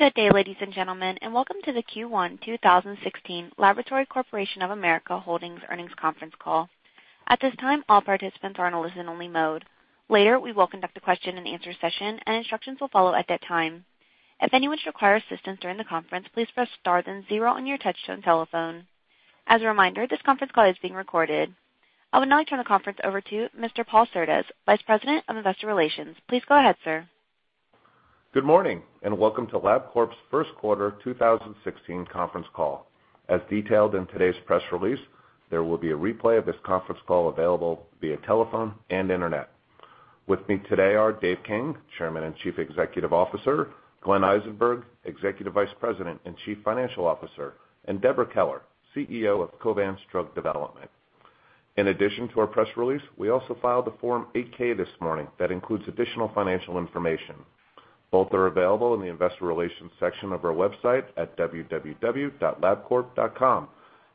Good day, ladies and gentlemen, and welcome to the Q1 2016 Holdings earnings conference call. At this time, all participants are in a listen-only mode. Later, we will conduct a question-and-answer session, and instructions will follow at that time. If anyone should require assistance during the conference, please press star then zero on your touchstone telephone. As a reminder, this conference call is being recorded. I will now turn the conference over to Mr. Paul Cerdas, Vice President of Investor Relations. Please go ahead, sir. Good morning, and welcome to Labcorp's first quarter 2016 conference call. As detailed in today's press release, there will be a replay of this conference call available via telephone and internet. With me today are Dave King, Chairman and CEO; Glenn Eisenberg, Executive Vice President and Chief Financial Officer; and Deborah Keller, CEO of Drug Development. In addition to our press release, we also filed a Form 8-K this morning that includes additional financial information. Both are available in the Investor Relations section of our website at www.labcorp.com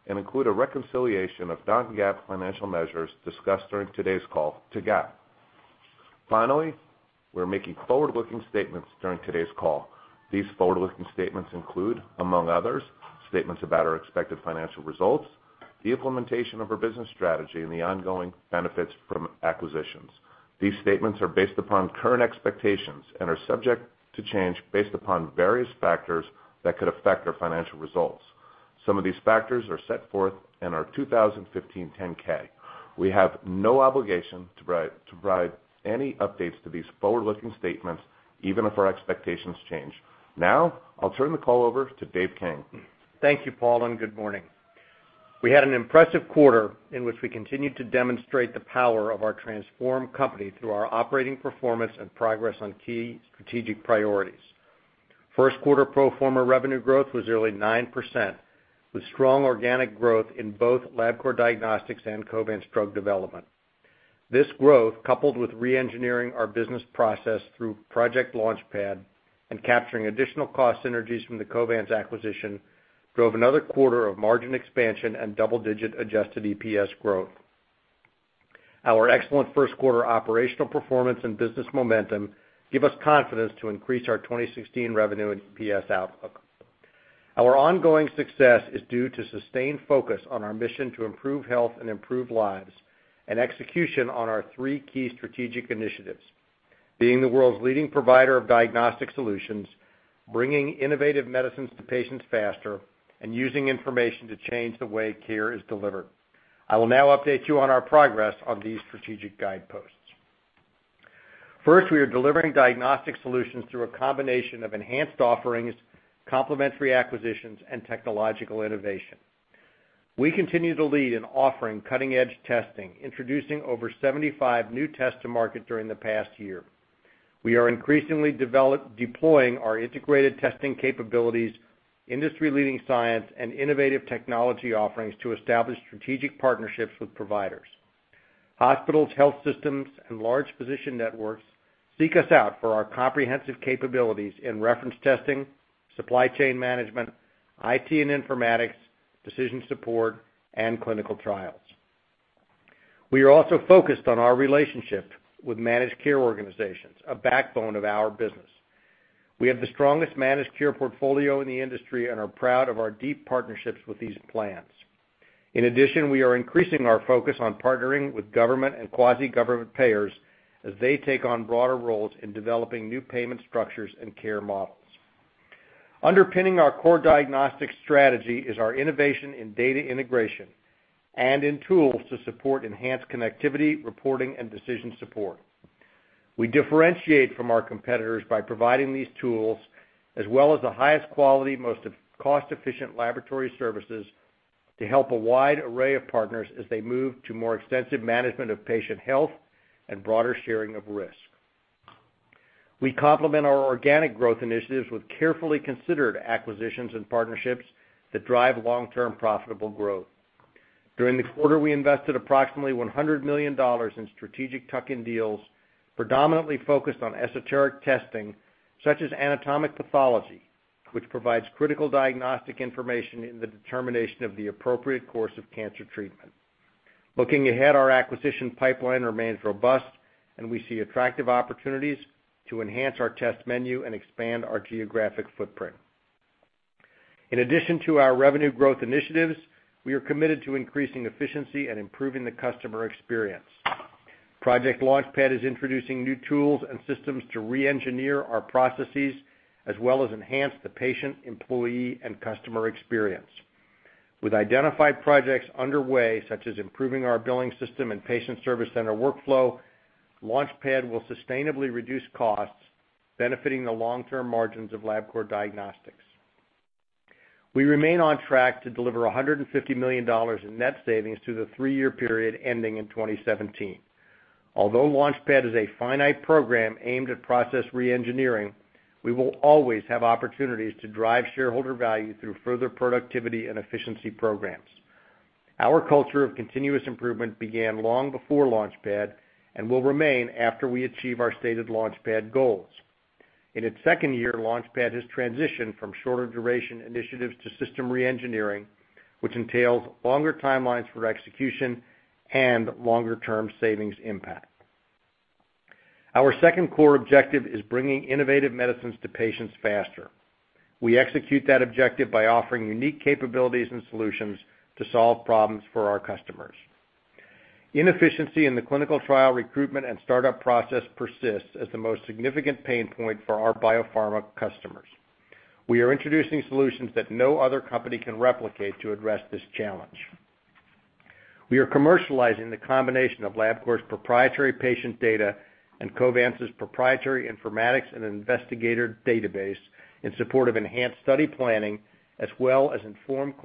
and include a reconciliation of non-GAAP financial measures discussed during today's call to GAAP. Finally, we're making forward-looking statements during today's call. These forward-looking statements include, among others, statements about our expected financial results, the implementation of our business strategy, and the ongoing benefits from acquisitions. These statements are based upon current expectations and are subject to change based upon various factors that could affect our financial results. Some of these factors are set forth in our 2015 10-K. We have no obligation to provide any updates to these forward-looking statements, even if our expectations change. Now, I'll turn the call over to Dave King. Thank you, Paul, and good morning. We had an impressive quarter in which we continued to demonstrate the power of our transformed company through our operating performance and progress on key strategic priorities. First quarter pro forma revenue growth was nearly 9%, with strong organic growth in both Labcorp Diagnostics and Covance Drug Development. This growth, coupled with re-engineering our business process through Project Launch Pad and capturing additional cost synergies from the Covance acquisition, drove another quarter of margin expansion and double-digit adjusted EPS growth. Our excellent first quarter operational performance and business momentum give us confidence to increase our 2016 revenue and EPS outlook. Our ongoing success is due to sustained focus on our mission to improve health and improve lives and execution on our three key strategic initiatives: being the world's leading provider of diagnostic solutions, bringing innovative medicines to patients faster, and using information to change the way care is delivered. I will now update you on our progress on these strategic guideposts. First, we are delivering diagnostic solutions through a combination of enhanced offerings, complementary acquisitions, and technological innovation. We continue to lead in offering cutting-edge testing, introducing over 75 new tests to market during the past year. We are increasingly deploying our integrated testing capabilities, industry-leading science, and innovative technology offerings to establish strategic partnerships with providers. Hospitals, health systems, and large physician networks seek us out for our comprehensive capabilities in reference testing, supply chain management, IT and informatics, decision support, and clinical trials. We are also focused on our relationship with managed care organizations, a backbone of our business. We have the strongest managed care portfolio in the industry and are proud of our deep partnerships with these plans. In addition, we are increasing our focus on partnering with government and quasi-government payers as they take on broader roles in developing new payment structures and care models. Underpinning our core diagnostic strategy is our innovation in data integration and in tools to support enhanced connectivity, reporting, and decision support. We differentiate from our competitors by providing these tools as well as the highest quality, most cost-efficient laboratory services to help a wide array of partners as they move to more extensive management of patient health and broader sharing of risk. We complement our organic growth initiatives with carefully considered acquisitions and partnerships that drive long-term profitable growth. During the quarter, we invested approximately $100 million in strategic tuck-in deals, predominantly focused on esoteric testing such as anatomic pathology, which provides critical diagnostic information in the determination of the appropriate course of cancer treatment. Looking ahead, our acquisition pipeline remains robust, and we see attractive opportunities to enhance our test menu and expand our geographic footprint. In addition to our revenue growth initiatives, we are committed to increasing efficiency and improving the customer experience. Project Launch Pad is introducing new tools and systems to re-engineer our processes as well as enhance the patient, employee, and customer experience. With identified projects underway, such as improving our billing system and patient service center workflow, Launch Pad will sustainably reduce costs, benefiting the long-term margins of Labcorp Diagnostics. We remain on track to deliver $150 million in net savings through the three-year period ending in 2017. Although Launch Pad is a finite program aimed at process re-engineering, we will always have opportunities to drive shareholder value through further productivity and efficiency programs. Our culture of continuous improvement began long before Launch Pad and will remain after we achieve our stated Launch Pad goals. In its second year, Launch Pad has transitioned from shorter-duration initiatives to system re-engineering, which entails longer timelines for execution and longer-term savings impact. Our second core objective is bringing innovative medicines to patients faster. We execute that objective by offering unique capabilities and solutions to solve problems for our customers. Inefficiency in the clinical trial recruitment and startup process persists as the most significant pain point for our biopharma customers. We are introducing solutions that no other company can replicate to address this challenge. We are commercializing the combination of Labcorp's proprietary patient data and Covance's proprietary informatics and investigator database in support of enhanced study planning, as well as improved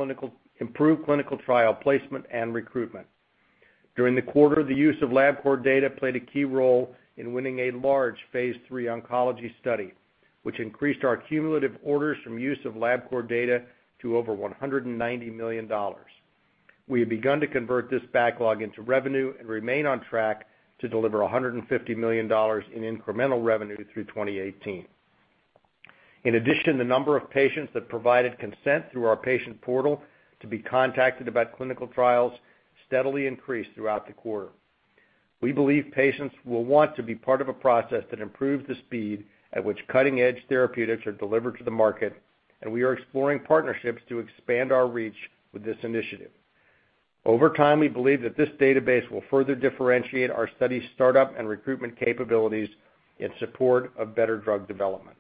clinical trial placement and recruitment. During the quarter, the use of Labcorp data played a key role in winning a large phase III oncology study, which increased our cumulative orders from use of Labcorp data to over $190 million. We have begun to convert this backlog into revenue and remain on track to deliver $150 million in incremental revenue through 2018. In addition, the number of patients that provided consent through our patient portal to be contacted about clinical trials steadily increased throughout the quarter. We believe patients will want to be part of a process that improves the speed at which cutting-edge therapeutics are delivered to the market, and we are exploring partnerships to expand our reach with this initiative. Over time, we believe that this database will further differentiate our study startup and recruitment capabilities in support of better drug development.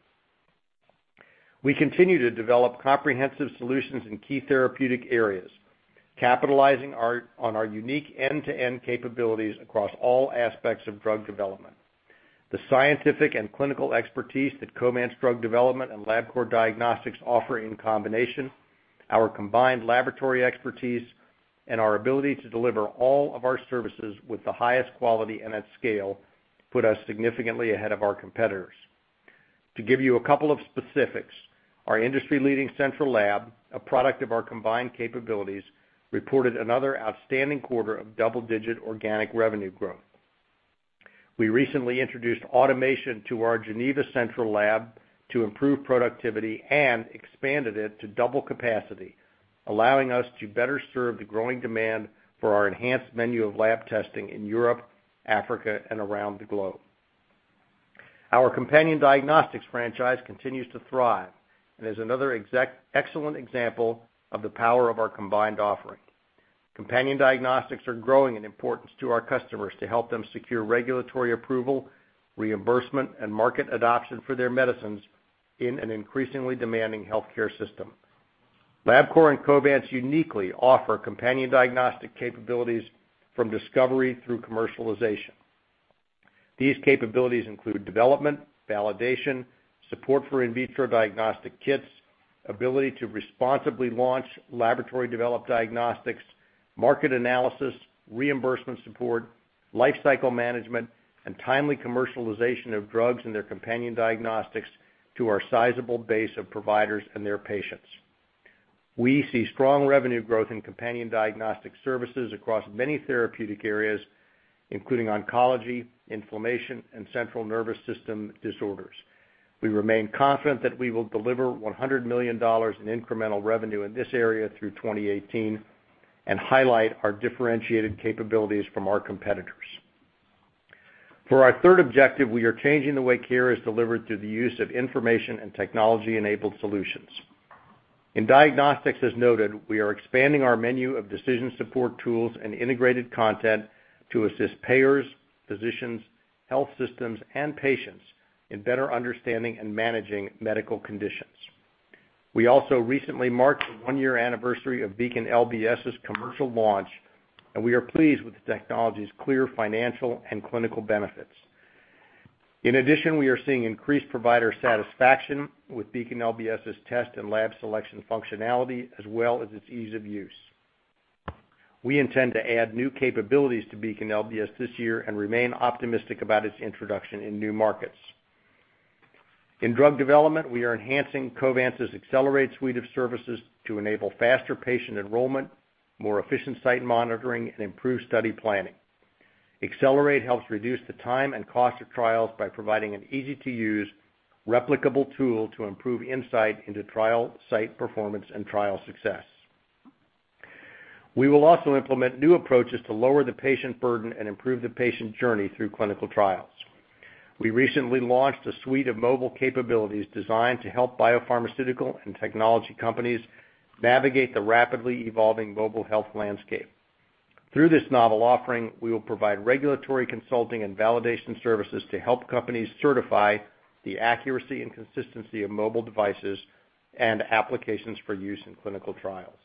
We continue to develop comprehensive solutions in key therapeutic areas, capitalizing on our unique end-to-end capabilities across all aspects of drug development. The scientific and clinical expertise that Covance Drug Development and Labcorp Diagnostics offer in combination, our combined laboratory expertise, and our ability to deliver all of our services with the highest quality and at scale put us significantly ahead of our competitors. To give you a couple of specifics, our industry-leading central lab, a product of our combined capabilities, reported another outstanding quarter of double-digit organic revenue growth. We recently introduced automation to our Geneva central lab to improve productivity and expanded it to double capacity, allowing us to better serve the growing demand for our enhanced menu of lab testing in Europe, Africa, and around the globe. Our Companion Diagnostics franchise continues to thrive and is another excellent example of the power of our combined offering. Companion Diagnostics are growing in importance to our customers to help them secure regulatory approval, reimbursement, and market adoption for their medicines in an increasingly demanding healthcare system. Labcorp and Covance uniquely offer Companion Diagnostic capabilities from discovery through commercialization. These capabilities include development, validation, support for in vitro diagnostic kits, ability to responsibly launch laboratory-developed diagnostics, market analysis, reimbursement support, lifecycle management, and timely commercialization of drugs and their Companion Diagnostics to our sizable base of providers and their patients. We see strong revenue growth in Companion Diagnostic services across many therapeutic areas, including oncology, inflammation, and central nervous system disorders. We remain confident that we will deliver $100 million in incremental revenue in this area through 2018 and highlight our differentiated capabilities from our competitors. For our third objective, we are changing the way care is delivered through the use of information and technology-enabled solutions. In Diagnostics, as noted, we are expanding our menu of decision support tools and integrated content to assist payers, physicians, health systems, and patients in better understanding and managing medical conditions. We also recently marked the one-year anniversary of Beacon LBS's commercial launch, and we are pleased with the technology's clear financial and clinical benefits. In addition, we are seeing increased provider satisfaction with Beacon LBS's test and lab selection functionality, as well as its ease of use. We intend to add new capabilities to Beacon LBS this year and remain optimistic about its introduction in new markets. In drug development, we are enhancing Covance's Accelerate suite of services to enable faster patient enrollment, more efficient site monitoring, and improved study planning. Accelerate helps reduce the time and cost of trials by providing an easy-to-use, replicable tool to improve insight into trial site performance and trial success. We will also implement new approaches to lower the patient burden and improve the patient journey through clinical trials. We recently launched a suite of mobile capabilities designed to help biopharmaceutical and technology companies navigate the rapidly evolving mobile health landscape. Through this novel offering, we will provide regulatory consulting and validation services to help companies certify the accuracy and consistency of mobile devices and applications for use in clinical trials.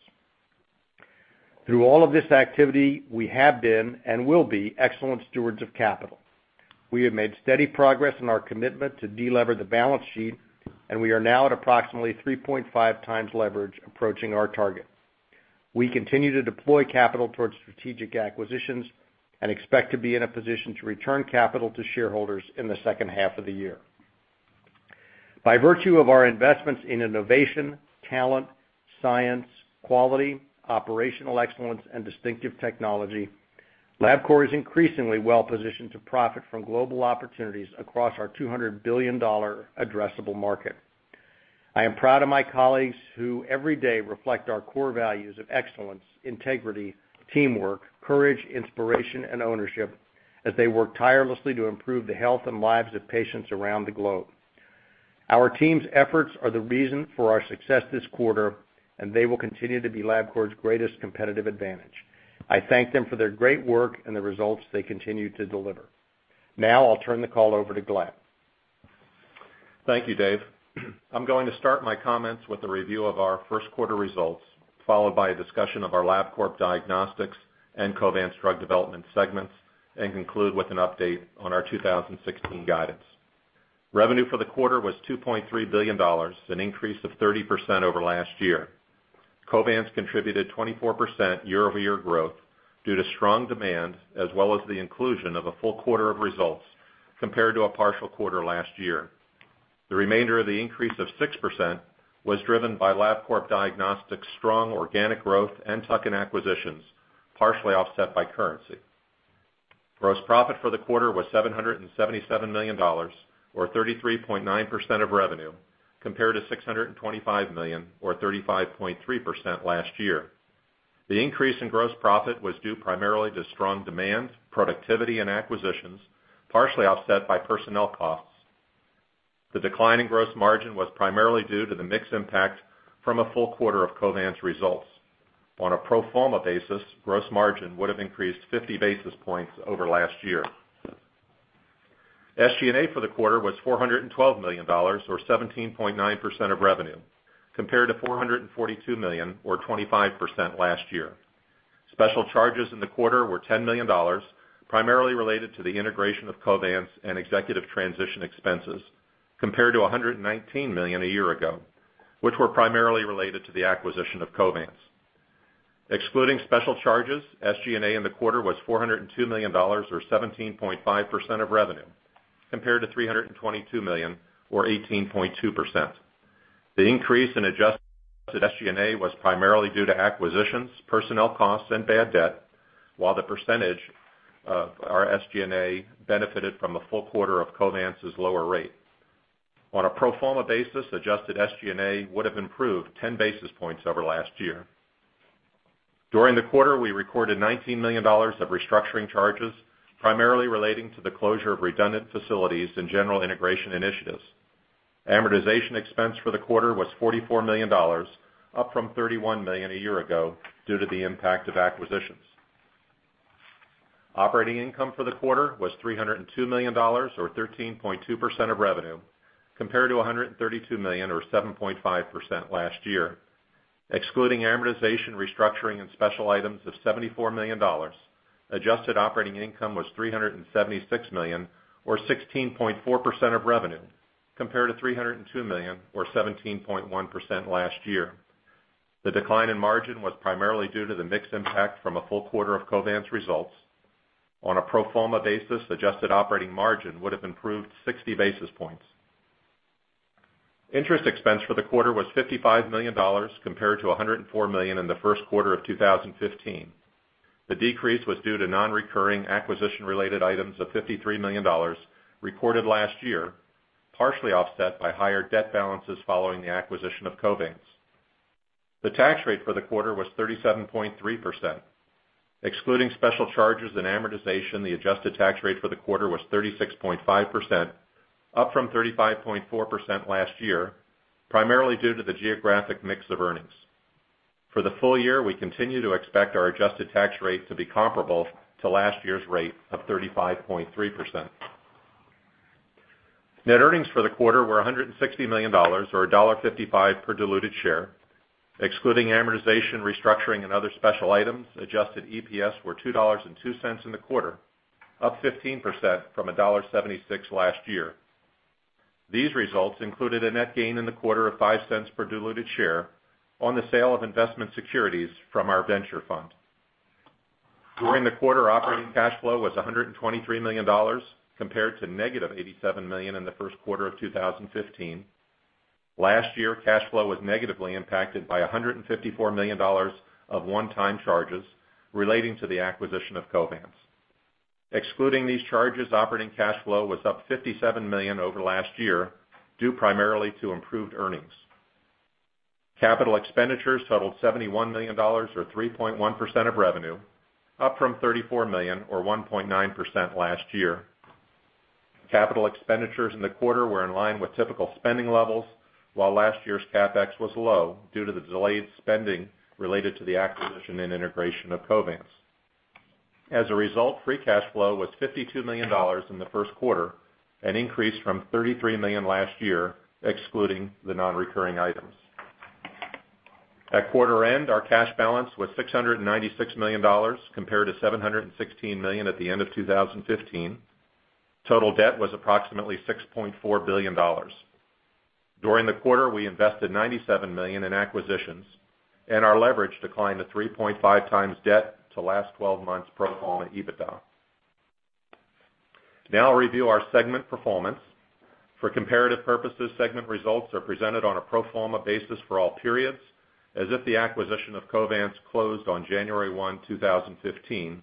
Through all of this activity, we have been and will be excellent stewards of capital. We have made steady progress in our commitment to delever the balance sheet, and we are now at approximately 3.5 times leverage approaching our target. We continue to deploy capital towards strategic acquisitions and expect to be in a position to return capital to shareholders in the second half of the year. By virtue of our investments in innovation, talent, science, quality, operational excellence, and distinctive technology, Labcorp is increasingly well-positioned to profit from global opportunities across our $200 billion addressable market. I am proud of my colleagues who every day reflect our core values of excellence, integrity, teamwork, courage, inspiration, and ownership as they work tirelessly to improve the health and lives of patients around the globe. Our team's efforts are the reason for our success this quarter, and they will continue to be Labcorp's greatest competitive advantage. I thank them for their great work and the results they continue to deliver. Now, I'll turn the call over to Glenn. Thank you, Dave. I'm going to start my comments with a review of our first quarter results, followed by a discussion of our Labcorp Diagnostics and Covance Drug Development segments, and conclude with an update on our 2016 guidance. Revenue for the quarter was $2.3 billion, an increase of 30% over last year. Covance contributed 24% year-over-year growth due to strong demand, as well as the inclusion of a full quarter of results compared to a partial quarter last year. The remainder of the increase of 6% was driven by Labcorp Diagnostics' strong organic growth and tuck-in acquisitions, partially offset by currency. Gross profit for the quarter was $777 million, or 33.9% of revenue, compared to $625 million, or 35.3% last year. The increase in gross profit was due primarily to strong demand, productivity, and acquisitions, partially offset by personnel costs. The decline in gross margin was primarily due to the mixed impact from a full quarter of Covance results. On a pro forma basis, gross margin would have increased 50 basis points over last year. SG&A for the quarter was $412 million, or 17.9% of revenue, compared to $442 million, or 25% last year. Special charges in the quarter were $10 million, primarily related to the integration of Covance and executive transition expenses, compared to $119 million a year ago, which were primarily related to the acquisition of Covance. Excluding special charges, SG&A in the quarter was $402 million, or 17.5% of revenue, compared to $322 million, or 18.2%. The increase in adjusted SG&A was primarily due to acquisitions, personnel costs, and bad debt, while the percentage of our SG&A benefited from a full quarter of Covance's lower rate. On a pro forma basis, adjusted SG&A would have improved 10 basis points over last year. During the quarter, we recorded $19 million of restructuring charges, primarily relating to the closure of redundant facilities and general integration initiatives. Amortization expense for the quarter was $44 million, up from $31 million a year ago due to the impact of acquisitions. Operating income for the quarter was $302 million, or 13.2% of revenue, compared to $132 million, or 7.5% last year. Excluding amortization, restructuring, and special items of $74 million, adjusted operating income was $376 million, or 16.4% of revenue, compared to $302 million, or 17.1% last year. The decline in margin was primarily due to the mixed impact from a full quarter of Covance results. On a pro forma basis, adjusted operating margin would have improved 60 basis points. Interest expense for the quarter was $55 million, compared to $104 million in the first quarter of 2015. The decrease was due to non-recurring acquisition-related items of $53 million recorded last year, partially offset by higher debt balances following the acquisition of Covance. The tax rate for the quarter was 37.3%. Excluding special charges and amortization, the adjusted tax rate for the quarter was 36.5%, up from 35.4% last year, primarily due to the geographic mix of earnings. For the full year, we continue to expect our adjusted tax rate to be comparable to last year's rate of 35.3%. Net earnings for the quarter were $160 million, or $1.55 per diluted share. Excluding amortization, restructuring, and other special items, adjusted EPS were $2.02 in the quarter, up 15% from $1.76 last year. These results included a net gain in the quarter of $0.05 per diluted share on the sale of investment securities from our venture fund. During the quarter, operating cash flow was $123 million, compared to negative $87 million in the first quarter of 2015. Last year, cash flow was negatively impacted by $154 million of one-time charges relating to the acquisition of Covance. Excluding these charges, operating cash flow was up $57 million over last year, due primarily to improved earnings. Capital expenditures totaled $71 million, or 3.1% of revenue, up from $34 million, or 1.9% last year. Capital expenditures in the quarter were in line with typical spending levels, while last year's CapEx was low due to the delayed spending related to the acquisition and integration of Covance. As a result, free cash flow was $52 million in the first quarter, an increase from $33 million last year, excluding the non-recurring items. At quarter end, our cash balance was $696 million, compared to $716 million at the end of 2015. Total debt was approximately $6.4 billion. During the quarter, we invested $97 million in acquisitions, and our leverage declined to 3.5 times debt to last 12 months' pro forma EBITDA. Now, I'll review our segment performance. For comparative purposes, segment results are presented on a pro forma basis for all periods, as if the acquisition of Covance closed on January 1, 2015,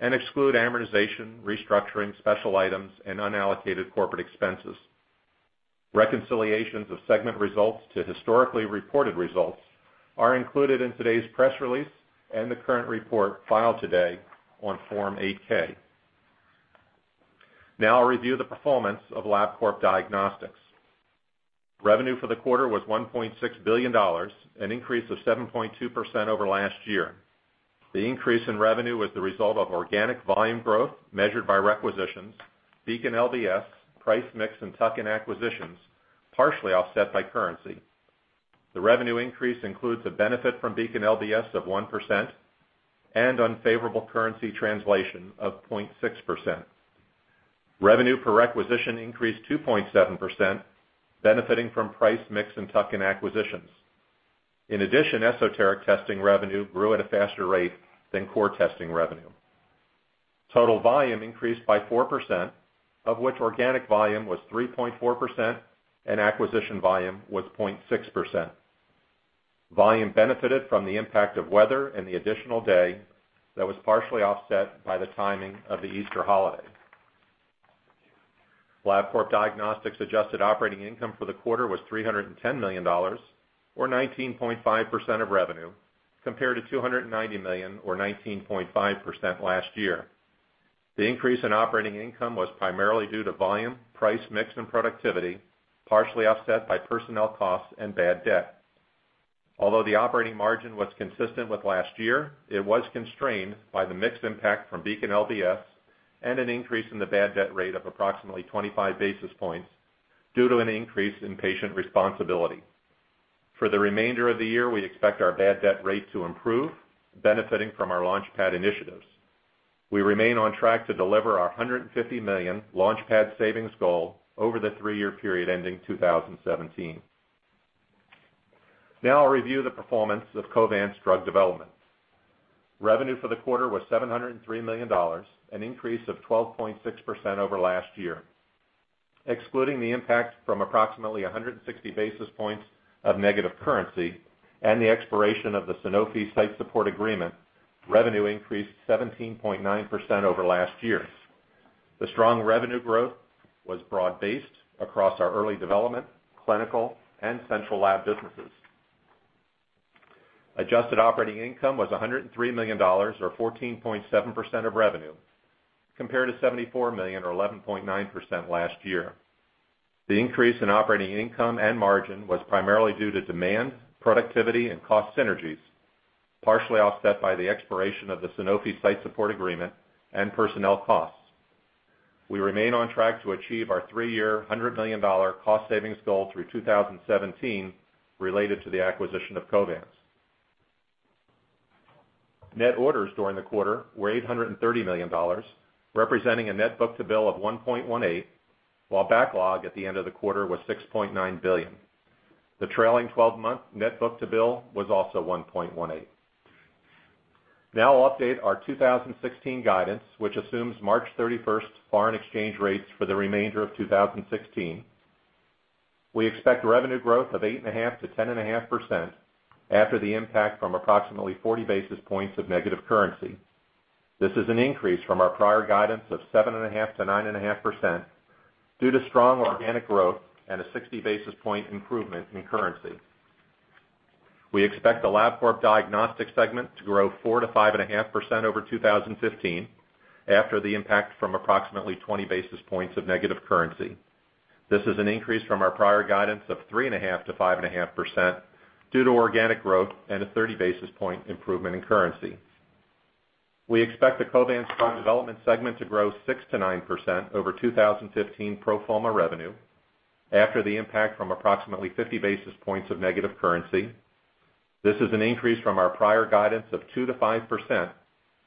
and exclude amortization, restructuring, special items, and unallocated corporate expenses. Reconciliations of segment results to historically reported results are included in today's press release and the current report filed today on Form 8K. Now, I'll review the performance of Labcorp Diagnostics. Revenue for the quarter was $1.6 billion, an increase of 7.2% over last year. The increase in revenue was the result of organic volume growth measured by requisitions, Beacon LBS, price mix, and tuck-in acquisitions, partially offset by currency. The revenue increase includes a benefit from Beacon LBS of 1% and unfavorable currency translation of 0.6%. Revenue per requisition increased 2.7%, benefiting from price mix and tuck-in acquisitions. In addition, esoteric testing revenue grew at a faster rate than core testing revenue. Total volume increased by 4%, of which organic volume was 3.4% and acquisition volume was 0.6%. Volume benefited from the impact of weather and the additional day that was partially offset by the timing of the Easter holiday. Labcorp Diagnostics' adjusted operating income for the quarter was $310 million, or 19.5% of revenue, compared to $290 million, or 19.5% last year. The increase in operating income was primarily due to volume, price mix, and productivity, partially offset by personnel costs and bad debt. Although the operating margin was consistent with last year, it was constrained by the mixed impact from Beacon LBS and an increase in the bad debt rate of approximately 25 basis points due to an increase in patient responsibility. For the remainder of the year, we expect our bad debt rate to improve, benefiting from our Launchpad initiatives. We remain on track to deliver our $150 million Launchpad savings goal over the three-year period ending 2017. Now, I'll review the performance of Covance Drug Development. Revenue for the quarter was $703 million, an increase of 12.6% over last year. Excluding the impact from approximately 160 basis points of negative currency and the expiration of the Sanofi site support agreement, revenue increased 17.9% over last year. The strong revenue growth was broad-based across our early development, clinical, and central lab businesses. Adjusted operating income was $103 million, or 14.7% of revenue, compared to $74 million, or 11.9% last year. The increase in operating income and margin was primarily due to demand, productivity, and cost synergies, partially offset by the expiration of the Sanofi site support agreement and personnel costs. We remain on track to achieve our three-year $100 million cost savings goal through 2017 related to the acquisition of Covance. Net orders during the quarter were $830 million, representing a net book to bill of 1.18, while backlog at the end of the quarter was $6.9 billion. The trailing 12-month net book to bill was also 1.18. Now, I'll update our 2016 guidance, which assumes March 31st foreign exchange rates for the remainder of 2016. We expect revenue growth of 8.5-10.5% after the impact from approximately 40 basis points of negative currency. This is an increase from our prior guidance of 7.5-9.5% due to strong organic growth and a 60 basis point improvement in currency. We expect the Labcorp Diagnostics segment to grow 4-5.5% over 2015 after the impact from approximately 20 basis points of negative currency. This is an increase from our prior guidance of 3.5-5.5% due to organic growth and a 30 basis point improvement in currency. We expect the Covance Drug Development segment to grow 6-9% over 2015 pro forma revenue after the impact from approximately 50 basis points of negative currency. This is an increase from our prior guidance of 2-5%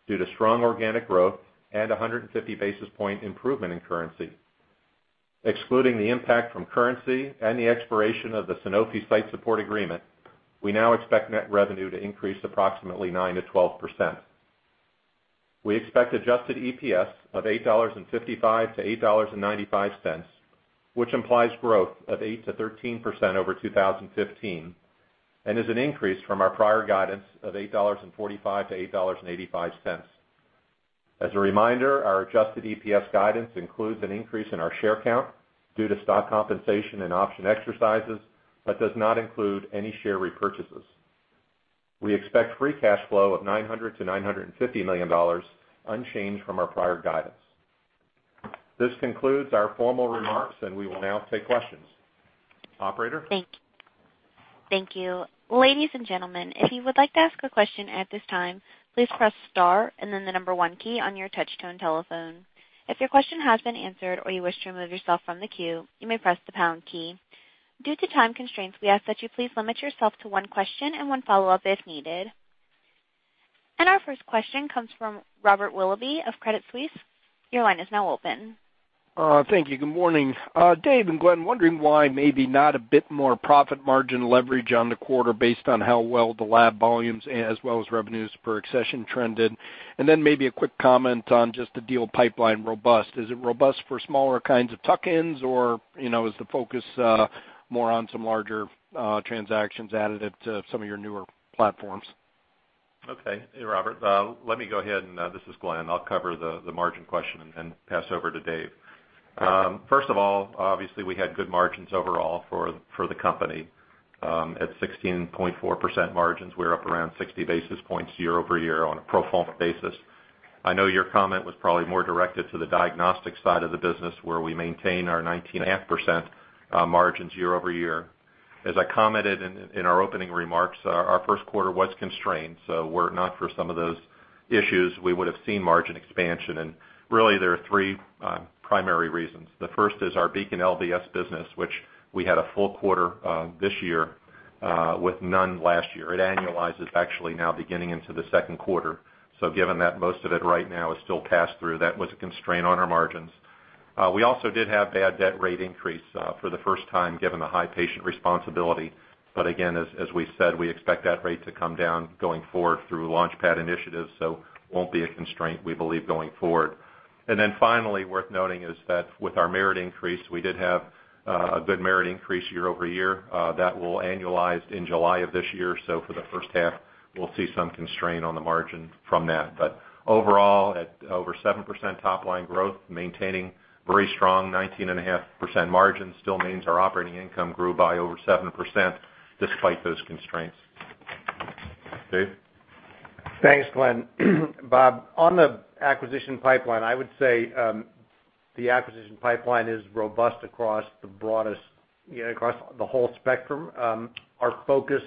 due to strong organic growth and a 150 basis point improvement in currency. Excluding the impact from currency and the expiration of the Sanofi site support agreement, we now expect net revenue to increase approximately 9-12%. We expect adjusted EPS of $8.55-$8.95, which implies growth of 8-13% over 2015, and is an increase from our prior guidance of $8.45-$8.85. As a reminder, our adjusted EPS guidance includes an increase in our share count due to stock compensation and option exercises but does not include any share repurchases. We expect free cash flow of $900-$950 million, unchanged from our prior guidance. This concludes our formal remarks, and we will now take questions. Operator. Thank you. Ladies and gentlemen, if you would like to ask a question at this time, please press Star and then the number one key on your touch-tone telephone. If your question has been answered or you wish to remove yourself from the queue, you may press the pound key. Due to time constraints, we ask that you please limit yourself to one question and one follow-up if needed. Our first question comes from Robert Willoughby of Credit Suisse. Your line is now open. Thank you. Good morning. Dave and Glenn, wondering why maybe not a bit more profit margin leverage on the quarter based on how well the lab volumes as well as revenues for accession trended. Maybe a quick comment on just the deal pipeline. Is it robust for smaller kinds of tuck-ins, or is the focus more on some larger transactions added to some of your newer platforms? Okay. Hey, Robert. Let me go ahead, and this is Glenn. I'll cover the margin question and pass over to Dave. First of all, obviously, we had good margins overall for the company. At 16.4% margins, we're up around 60 basis points year over year on a pro forma basis. I know your comment was probably more directed to the diagnostic side of the business, where we maintain our 19.5% margins year over year. As I commented in our opening remarks, our first quarter was constrained, so were it not for some of those issues, we would have seen margin expansion. Really, there are three primary reasons. The first is our Beacon LBS business, which we had a full quarter this year with none last year. It annualizes actually now beginning into the second quarter. Given that most of it right now is still passed through, that was a constraint on our margins. We also did have bad debt rate increase for the first time given the high patient responsibility. As we said, we expect that rate to come down going forward through Launchpad initiatives, so it will not be a constraint, we believe, going forward. Finally, worth noting is that with our merit increase, we did have a good merit increase year over year. That will annualize in July of this year. For the first half, we will see some constraint on the margin from that. Overall, at over 7% top-line growth, maintaining very strong 19.5% margin still means our operating income grew by over 7% despite those constraints. Dave? Thanks, Glenn. Bob, on the acquisition pipeline, I would say the acquisition pipeline is robust across the broadest, across the whole spectrum. Our focus,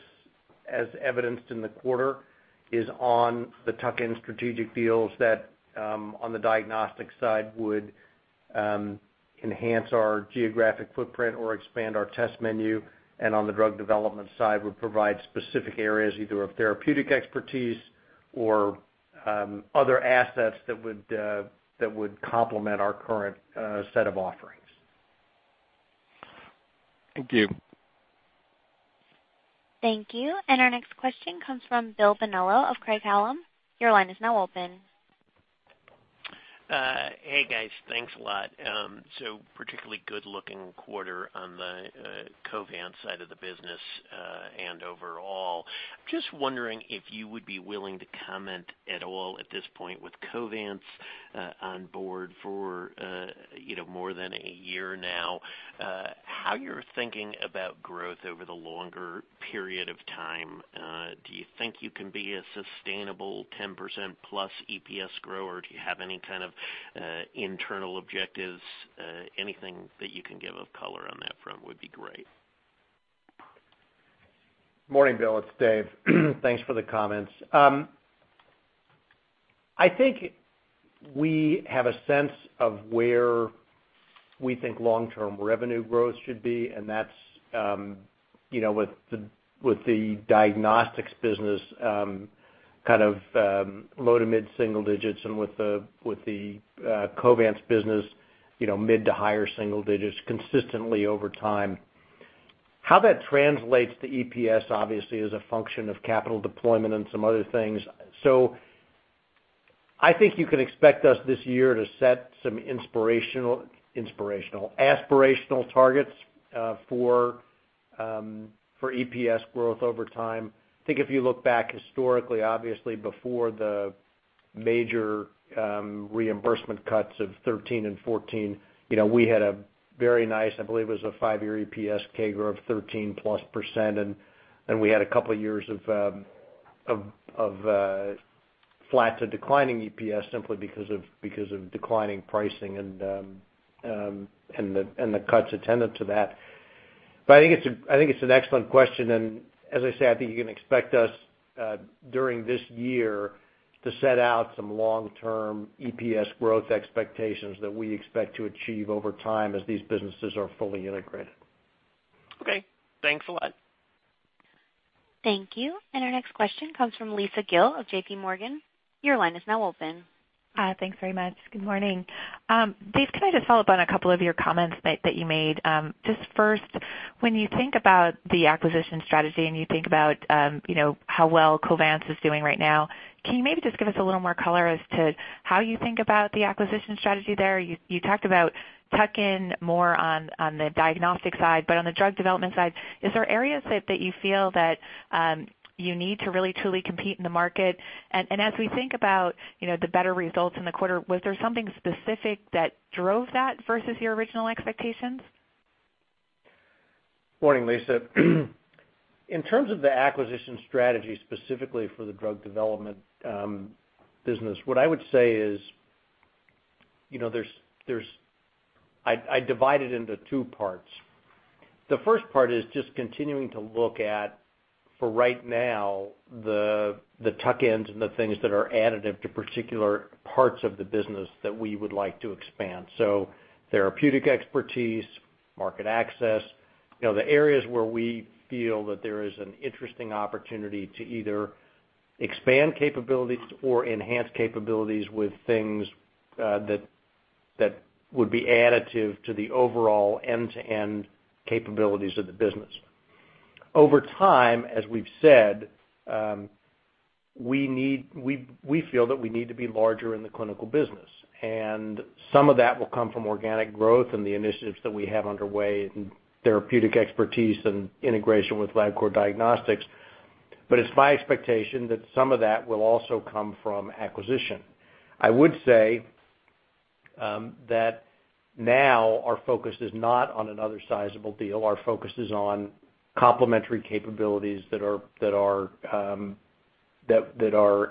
as evidenced in the quarter, is on the tuck-in strategic deals that, on the diagnostic side, would enhance our geographic footprint or expand our test menu. On the drug development side, we provide specific areas either of therapeutic expertise or other assets that would complement our current set of offerings. Thank you. Thank you. Our next question comes from Bill Vanello of Craig-Hallum. Your line is now open. Hey, guys. Thanks a lot. Particularly good-looking quarter on the Covance side of the business and overall. Just wondering if you would be willing to comment at all at this point with Covance on board for more than a year now. How you're thinking about growth over the longer period of time? Do you think you can be a sustainable 10% plus EPS grower? Do you have any kind of internal objectives? Anything that you can give of color on that front would be great. Morning, Bill. It's Dave. Thanks for the comments. I think we have a sense of where we think long-term revenue growth should be, and that's with the diagnostics business kind of low to mid-single digits and with the Covance business mid to higher single digits consistently over time. How that translates to EPS, obviously, is a function of capital deployment and some other things. I think you can expect us this year to set some aspirational targets for EPS growth over time. I think if you look back historically, obviously, before the major reimbursement cuts of 2013 and 2014, we had a very nice, I believe it was a five-year EPS CAGR of 13-plus %. We had a couple of years of flat to declining EPS simply because of declining pricing and the cuts attended to that. I think it's an excellent question. As I say, I think you can expect us during this year to set out some long-term EPS growth expectations that we expect to achieve over time as these businesses are fully integrated. Okay. Thanks a lot. Thank you. Our next question comes from Lisa Gill of J.P. Morgan. Your line is now open. Thanks very much. Good morning. Dave, can I just follow up on a couple of your comments that you made? Just first, when you think about the acquisition strategy and you think about how well Covance is doing right now, can you maybe just give us a little more color as to how you think about the acquisition strategy there? You talked about tuck-in more on the diagnostic side, but on the drug development side, is there areas that you feel that you need to really, truly compete in the market? As we think about the better results in the quarter, was there something specific that drove that versus your original expectations? Morning, Lisa. In terms of the acquisition strategy specifically for the drug development business, what I would say is I divide it into 2 parts. The first part is just continuing to look at, for right now, the tuck-ins and the things that are additive to particular parts of the business that we would like to expand. Therapeutic expertise, market access, the areas where we feel that there is an interesting opportunity to either expand capabilities or enhance capabilities with things that would be additive to the overall end-to-end capabilities of the business. Over time, as we've said, we feel that we need to be larger in the clinical business. Some of that will come from organic growth and the initiatives that we have underway in therapeutic expertise and integration with Labcorp Diagnostics. It's my expectation that some of that will also come from acquisition. I would say that now our focus is not on another sizable deal. Our focus is on complementary capabilities that are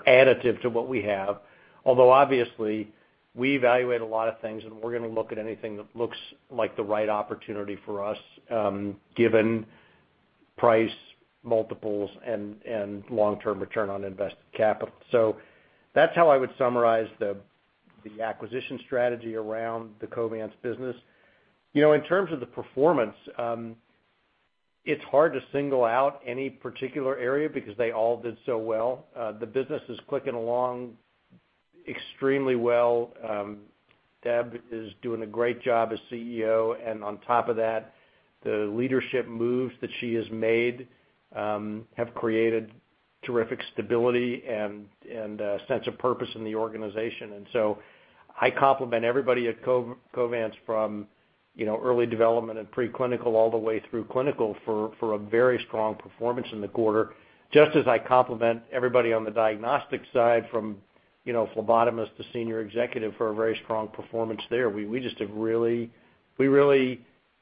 additive to what we have. Although, obviously, we evaluate a lot of things, and we're going to look at anything that looks like the right opportunity for us given price multiples and long-term return on invested capital. That's how I would summarize the acquisition strategy around the Covance business. In terms of the performance, it's hard to single out any particular area because they all did so well. The business is clicking along extremely well. Deb is doing a great job as CEO. On top of that, the leadership moves that she has made have created terrific stability and a sense of purpose in the organization. I compliment everybody at Covance from early development and preclinical all the way through clinical for a very strong performance in the quarter, just as I compliment everybody on the diagnostic side from phlebotomist to senior executive for a very strong performance there. We just have really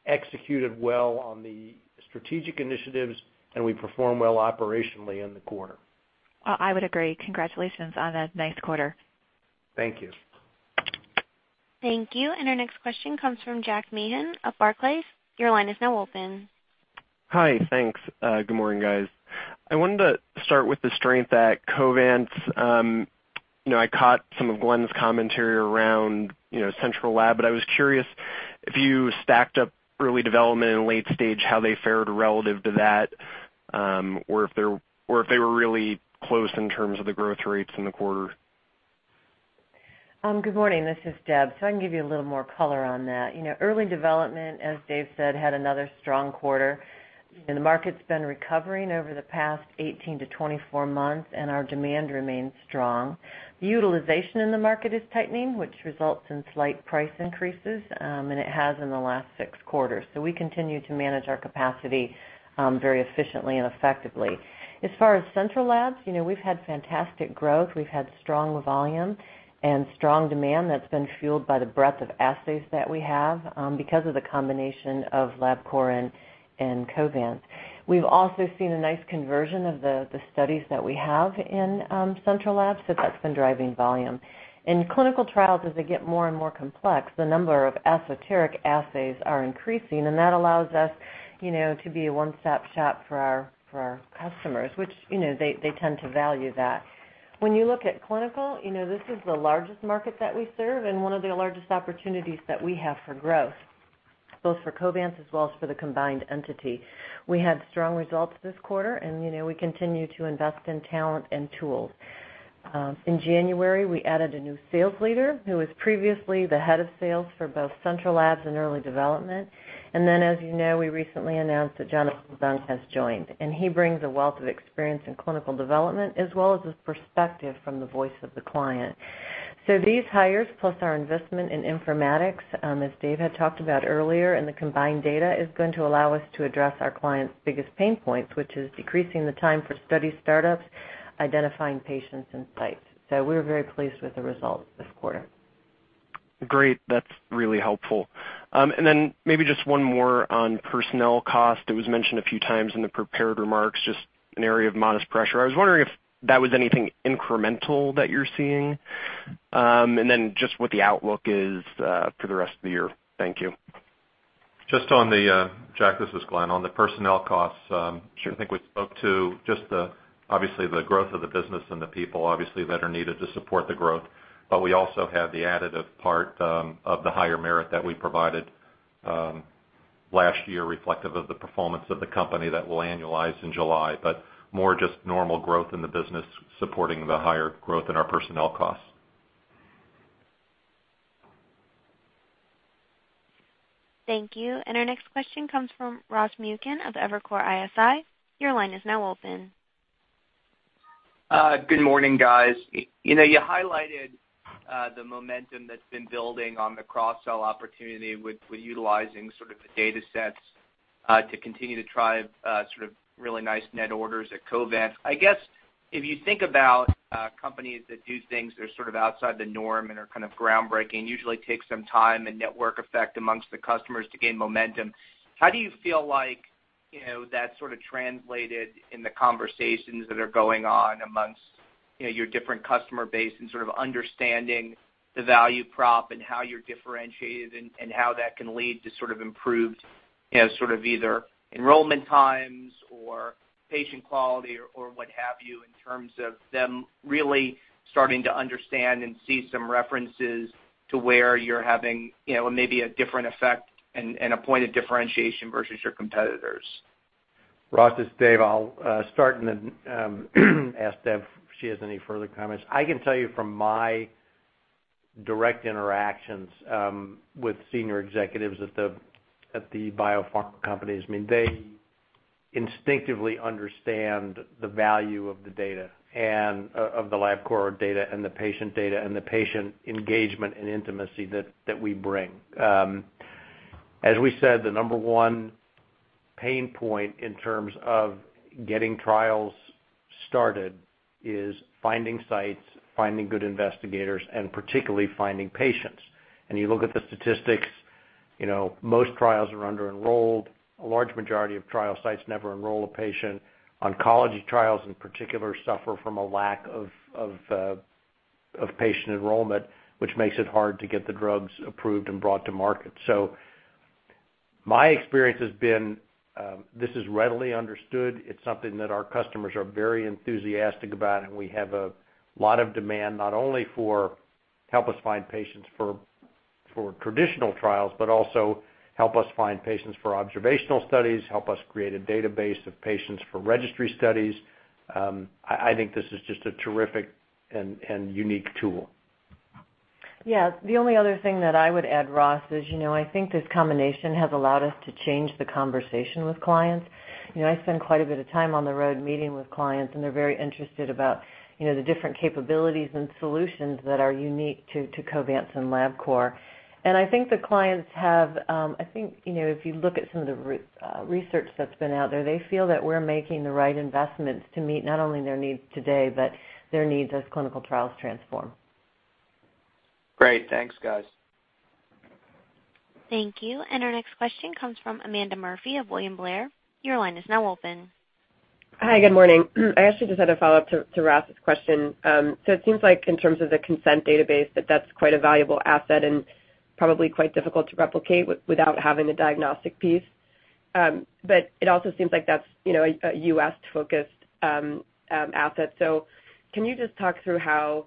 executed well on the strategic initiatives, and we perform well operationally in the quarter. I would agree. Congratulations on a nice quarter. Thank you. Thank you. Our next question comes from Jack Meehan of Barclays. Your line is now open. Hi. Thanks. Good morning, guys. I wanted to start with the strength at Covance. I caught some of Glenn's commentary around central lab, but I was curious if you stacked up early development and late stage, how they fared relative to that, or if they were really close in terms of the growth rates in the quarter. Good morning. This is Deb. I can give you a little more color on that. Early development, as Dave said, had another strong quarter. The market's been recovering over the past 18 to 24 months, and our demand remains strong. Utilization in the market is tightening, which results in slight price increases, and it has in the last 6 quarters. We continue to manage our capacity very efficiently and effectively. As far as central labs, we've had fantastic growth. We've had strong volume and strong demand that's been fueled by the breadth of assays that we have because of the combination of Labcorp and Covance. We've also seen a nice conversion of the studies that we have in central labs, so that's been driving volume. In clinical trials, as they get more and more complex, the number of esoteric assays are increasing, and that allows us to be a one-stop shop for our customers, which they tend to value that. When you look at clinical, this is the largest market that we serve and one of the largest opportunities that we have for growth, both for Covance as well as for the combined entity. We had strong results this quarter, and we continue to invest in talent and tools. In January, we added a new sales leader who was previously the head of sales for both central labs and early development. As you know, we recently announced that Jonathan Dunk has joined. He brings a wealth of experience in clinical development as well as a perspective from the voice of the client. These hires, plus our investment in informatics, as Dave had talked about earlier, and the combined data is going to allow us to address our client's biggest pain points, which is decreasing the time for study startups, identifying patients, and sites. We are very pleased with the results this quarter. Great. That is really helpful. Maybe just one more on personnel cost. It was mentioned a few times in the prepared remarks, just an area of modest pressure. I was wondering if that was anything incremental that you are seeing. What is the outlook for the rest of the year? Thank you. Just on the—Jack, this is Glenn—on the personnel costs, I think we spoke to just, obviously, the growth of the business and the people, obviously, that are needed to support the growth. We also have the additive part of the higher merit that we provided last year, reflective of the performance of the company that will annualize in July, but more just normal growth in the business supporting the higher growth in our personnel costs. Thank you. Our next question comes from Ross Mukin of Evercore ISI. Your line is now open. Good morning, guys. You highlighted the momentum that's been building on the cross-sell opportunity with utilizing sort of the data sets to continue to drive sort of really nice net orders at Covance. I guess if you think about companies that do things that are sort of outside the norm and are kind of groundbreaking, usually take some time and network effect amongst the customers to gain momentum. How do you feel like that's sort of translated in the conversations that are going on amongst your different customer base and sort of understanding the value prop and how you're differentiated and how that can lead to sort of improved sort of either enrollment times or patient quality or what have you in terms of them really starting to understand and see some references to where you're having maybe a different effect and a point of differentiation versus your competitors? Ross, this is Dave. I'll start and then ask Deb if she has any further comments. I can tell you from my direct interactions with senior executives at the biopharma companies, I mean, they instinctively understand the value of the data and of the Labcorp data and the patient data and the patient engagement and intimacy that we bring. As we said, the number one pain point in terms of getting trials started is finding sites, finding good investigators, and particularly finding patients. You look at the statistics, most trials are under-enrolled. A large majority of trial sites never enroll a patient. Oncology trials, in particular, suffer from a lack of patient enrollment, which makes it hard to get the drugs approved and brought to market. My experience has been this is readily understood. It's something that our customers are very enthusiastic about, and we have a lot of demand not only for help us find patients for traditional trials, but also help us find patients for observational studies, help us create a database of patients for registry studies. I think this is just a terrific and unique tool. Yeah. The only other thing that I would add, Ross, is I think this combination has allowed us to change the conversation with clients. I spend quite a bit of time on the road meeting with clients, and they're very interested about the different capabilities and solutions that are unique to Covance and Labcorp. I think the clients have—I think if you look at some of the research that's been out there, they feel that we're making the right investments to meet not only their needs today, but their needs as clinical trials transform. Great. Thanks, guys. Thank you. Our next question comes from Amanda Murphy of William Blair. Your line is now open. Hi. Good morning. I actually just had a follow-up to Ross's question. It seems like in terms of the consent database, that that's quite a valuable asset and probably quite difficult to replicate without having the diagnostic piece. It also seems like that's a U.S.-focused asset. Can you just talk through how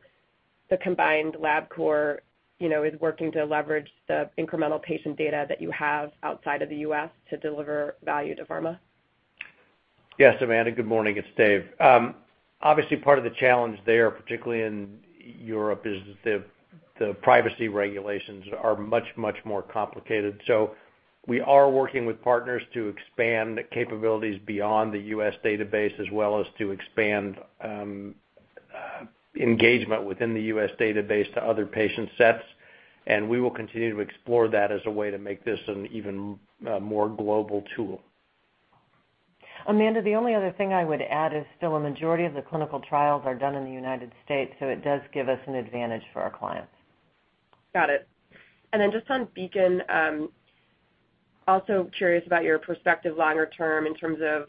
the combined Labcorp is working to leverage the incremental patient data that you have outside of the U.S. to deliver value to pharma? Yes, Amanda. Good morning. It's Dave. Obviously, part of the challenge there, particularly in Europe, is the privacy regulations are much, much more complicated. We are working with partners to expand capabilities beyond the U.S. database as well as to expand engagement within the U.S. database to other patient sets. We will continue to explore that as a way to make this an even more global tool. Amanda, the only other thing I would add is still a majority of the clinical trials are done in the United States, so it does give us an advantage for our clients. Got it. And then just on Beacon, also curious about your perspective longer term in terms of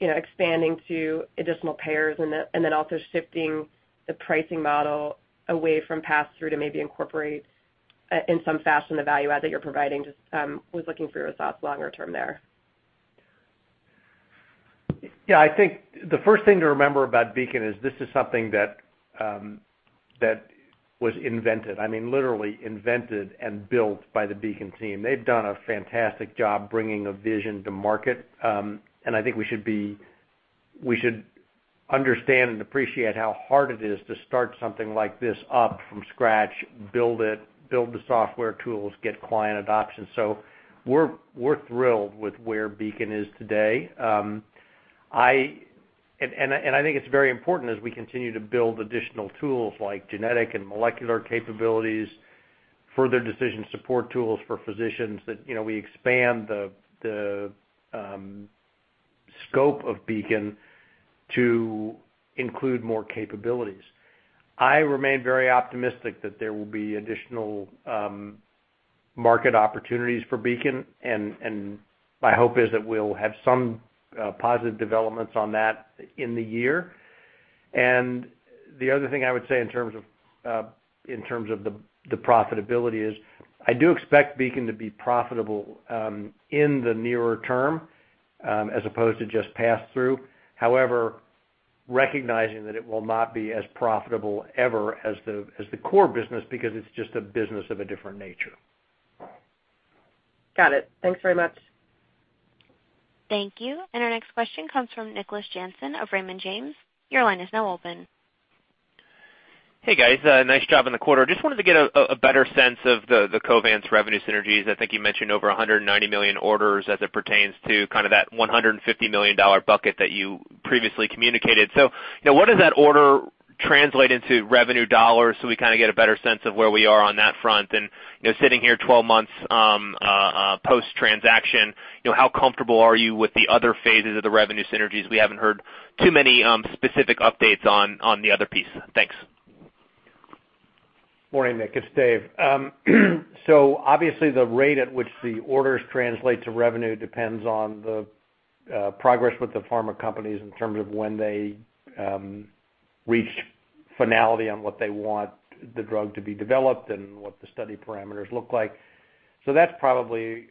expanding to additional payers and then also shifting the pricing model away from pass-through to maybe incorporate in some fashion the value add that you're providing. Just was looking for your thoughts longer term there. Yeah. I think the first thing to remember about Beacon is this is something that was invented, I mean, literally invented and built by the Beacon team. They've done a fantastic job bringing a vision to market. I think we should understand and appreciate how hard it is to start something like this up from scratch, build it, build the software tools, get client adoption. We are thrilled with where Beacon is today. I think it is very important as we continue to build additional tools like genetic and molecular capabilities, further decision support tools for physicians, that we expand the scope of Beacon to include more capabilities. I remain very optimistic that there will be additional market opportunities for Beacon, and my hope is that we will have some positive developments on that in the year. The other thing I would say in terms of the profitability is I do expect Beacon to be profitable in the nearer term as opposed to just pass-through, however, recognizing that it will not be as profitable ever as the core business because it is just a business of a different nature. Got it. Thanks very much. Thank you. Our next question comes from Nicholas Jansen of Raymond James. Your line is now open. Hey, guys. Nice job in the quarter. Just wanted to get a better sense of the Covance revenue synergies. I think you mentioned over 190 million orders as it pertains to kind of that $150 million bucket that you previously communicated. What does that order translate into revenue dollars so we kind of get a better sense of where we are on that front? Sitting here 12 months post-transaction, how comfortable are you with the other phases of the revenue synergies? We have not heard too many specific updates on the other piece. Thanks. Morning, Nick. It is Dave. Obviously, the rate at which the orders translate to revenue depends on the progress with the pharma companies in terms of when they reach finality on what they want the drug to be developed and what the study parameters look like. That is probably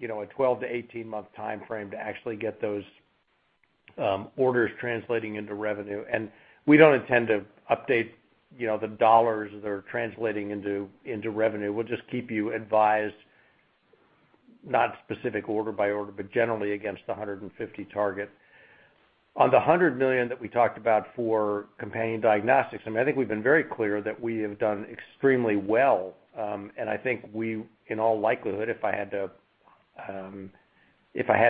a 12-18 month timeframe to actually get those orders translating into revenue. We do not intend to update the dollars that are translating into revenue. We will just keep you advised, not specific order by order, but generally against the $150 million target. On the $100 million that we talked about for companion diagnostics, I mean, I think we have been very clear that we have done extremely well. I think we, in all likelihood, if I had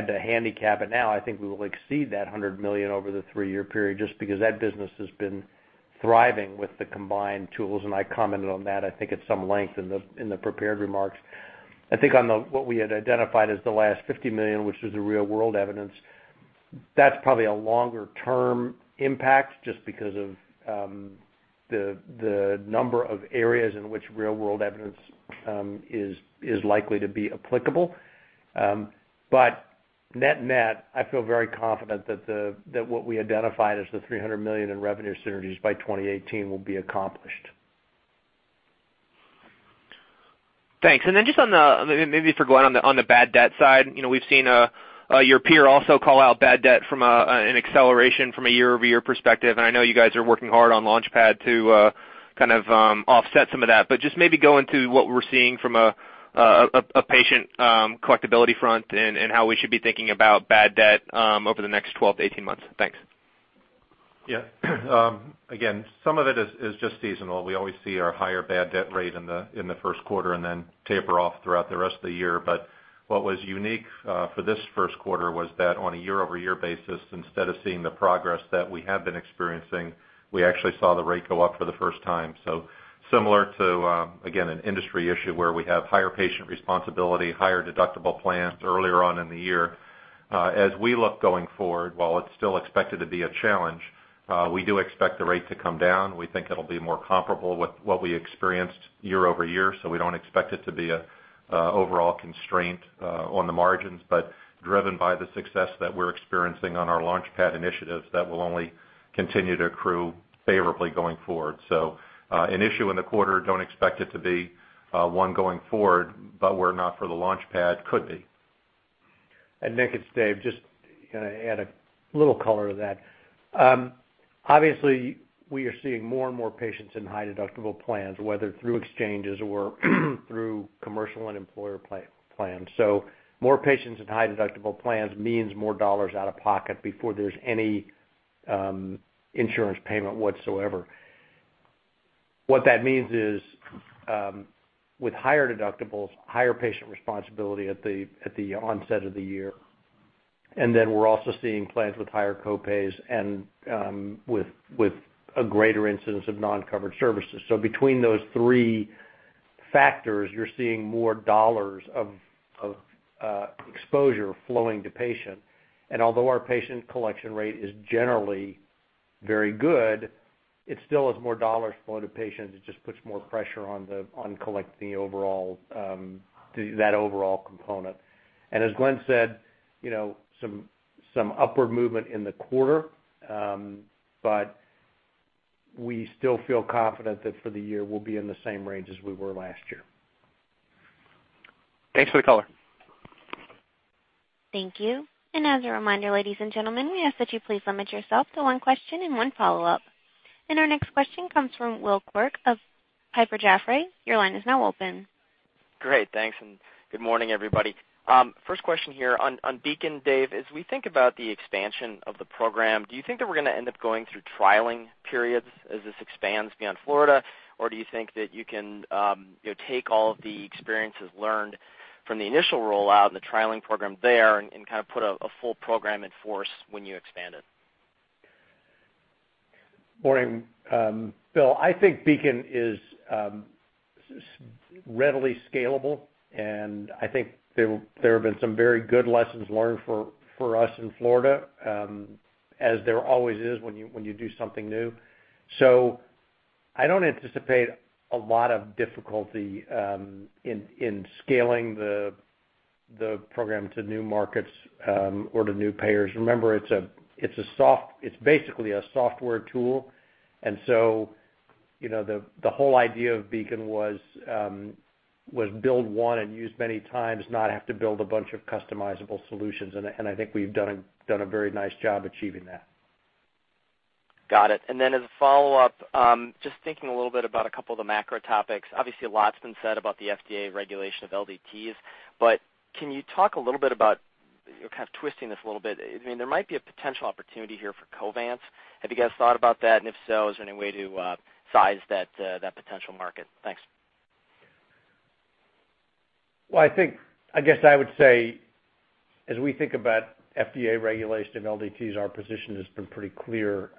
to handicap it now, I think we will exceed that $100 million over the three-year period just because that business has been thriving with the combined tools. I commented on that, I think, at some length in the prepared remarks. I think on what we had identified as the last $50 million, which was the real-world evidence, that is probably a longer-term impact just because of the number of areas in which real-world evidence is likely to be applicable. Net-net, I feel very confident that what we identified as the $300 million in revenue synergies by 2018 will be accomplished. Thanks. Just on the maybe for going on the bad debt side, we have seen your peer also call out bad debt from an acceleration from a year-over-year perspective. I know you guys are working hard on Launch Pad to kind of offset some of that. Just maybe going to what we're seeing from a patient collectibility front and how we should be thinking about bad debt over the next 12-18 months. Thanks. Yeah. Again, some of it is just seasonal. We always see our higher bad debt rate in the first quarter and then taper off throughout the rest of the year. What was unique for this first quarter was that on a year-over-year basis, instead of seeing the progress that we had been experiencing, we actually saw the rate go up for the first time. Similar to, again, an industry issue where we have higher patient responsibility, higher deductible plans earlier on in the year. As we look going forward, while it's still expected to be a challenge, we do expect the rate to come down. We think it'll be more comparable with what we experienced year-over-year. We don't expect it to be an overall constraint on the margins, but driven by the success that we're experiencing on our Launchpad initiatives that will only continue to accrue favorably going forward. An issue in the quarter, don't expect it to be one going forward, but where not for the Launchpad could be. Nick, it's Dave. Just going to add a little color to that. Obviously, we are seeing more and more patients in high deductible plans, whether through exchanges or through commercial and employer plans. More patients in high deductible plans means more dollars out of pocket before there's any insurance payment whatsoever. What that means is with higher deductibles, higher patient responsibility at the onset of the year. We are also seeing plans with higher co-pays and with a greater incidence of non-covered services. Between those three factors, you are seeing more dollars of exposure flowing to patient. Although our patient collection rate is generally very good, it still has more dollars flowing to patients. It just puts more pressure on collecting that overall component. As Glenn said, some upward movement in the quarter, but we still feel confident that for the year we will be in the same range as we were last year. Thanks for the color. Thank you. As a reminder, ladies and gentlemen, we ask that you please limit yourself to one question and one follow-up. Our next question comes from Will Quirk of HyperJafray. Your line is now open. Great. Thanks. Good morning, everybody. First question here on Beacon, Dave, as we think about the expansion of the program, do you think that we're going to end up going through trialing periods as this expands beyond Florida, or do you think that you can take all of the experiences learned from the initial rollout and the trialing program there and kind of put a full program in force when you expand it? Morning, Bill. I think Beacon is readily scalable, and I think there have been some very good lessons learned for us in Florida, as there always is when you do something new. I don't anticipate a lot of difficulty in scaling the program to new markets or to new payers. Remember, it's basically a software tool. The whole idea of Beacon was build one and use many times, not have to build a bunch of customizable solutions. I think we've done a very nice job achieving that. Got it. As a follow-up, just thinking a little bit about a couple of the macro topics, obviously a lot's been said about the FDA regulation of LDTs, but can you talk a little bit about kind of twisting this a little bit? I mean, there might be a potential opportunity here for Covance. Have you guys thought about that? If so, is there any way to size that potential market? Thanks. I guess I would say as we think about FDA regulation of LDTs, our position has been pretty clear.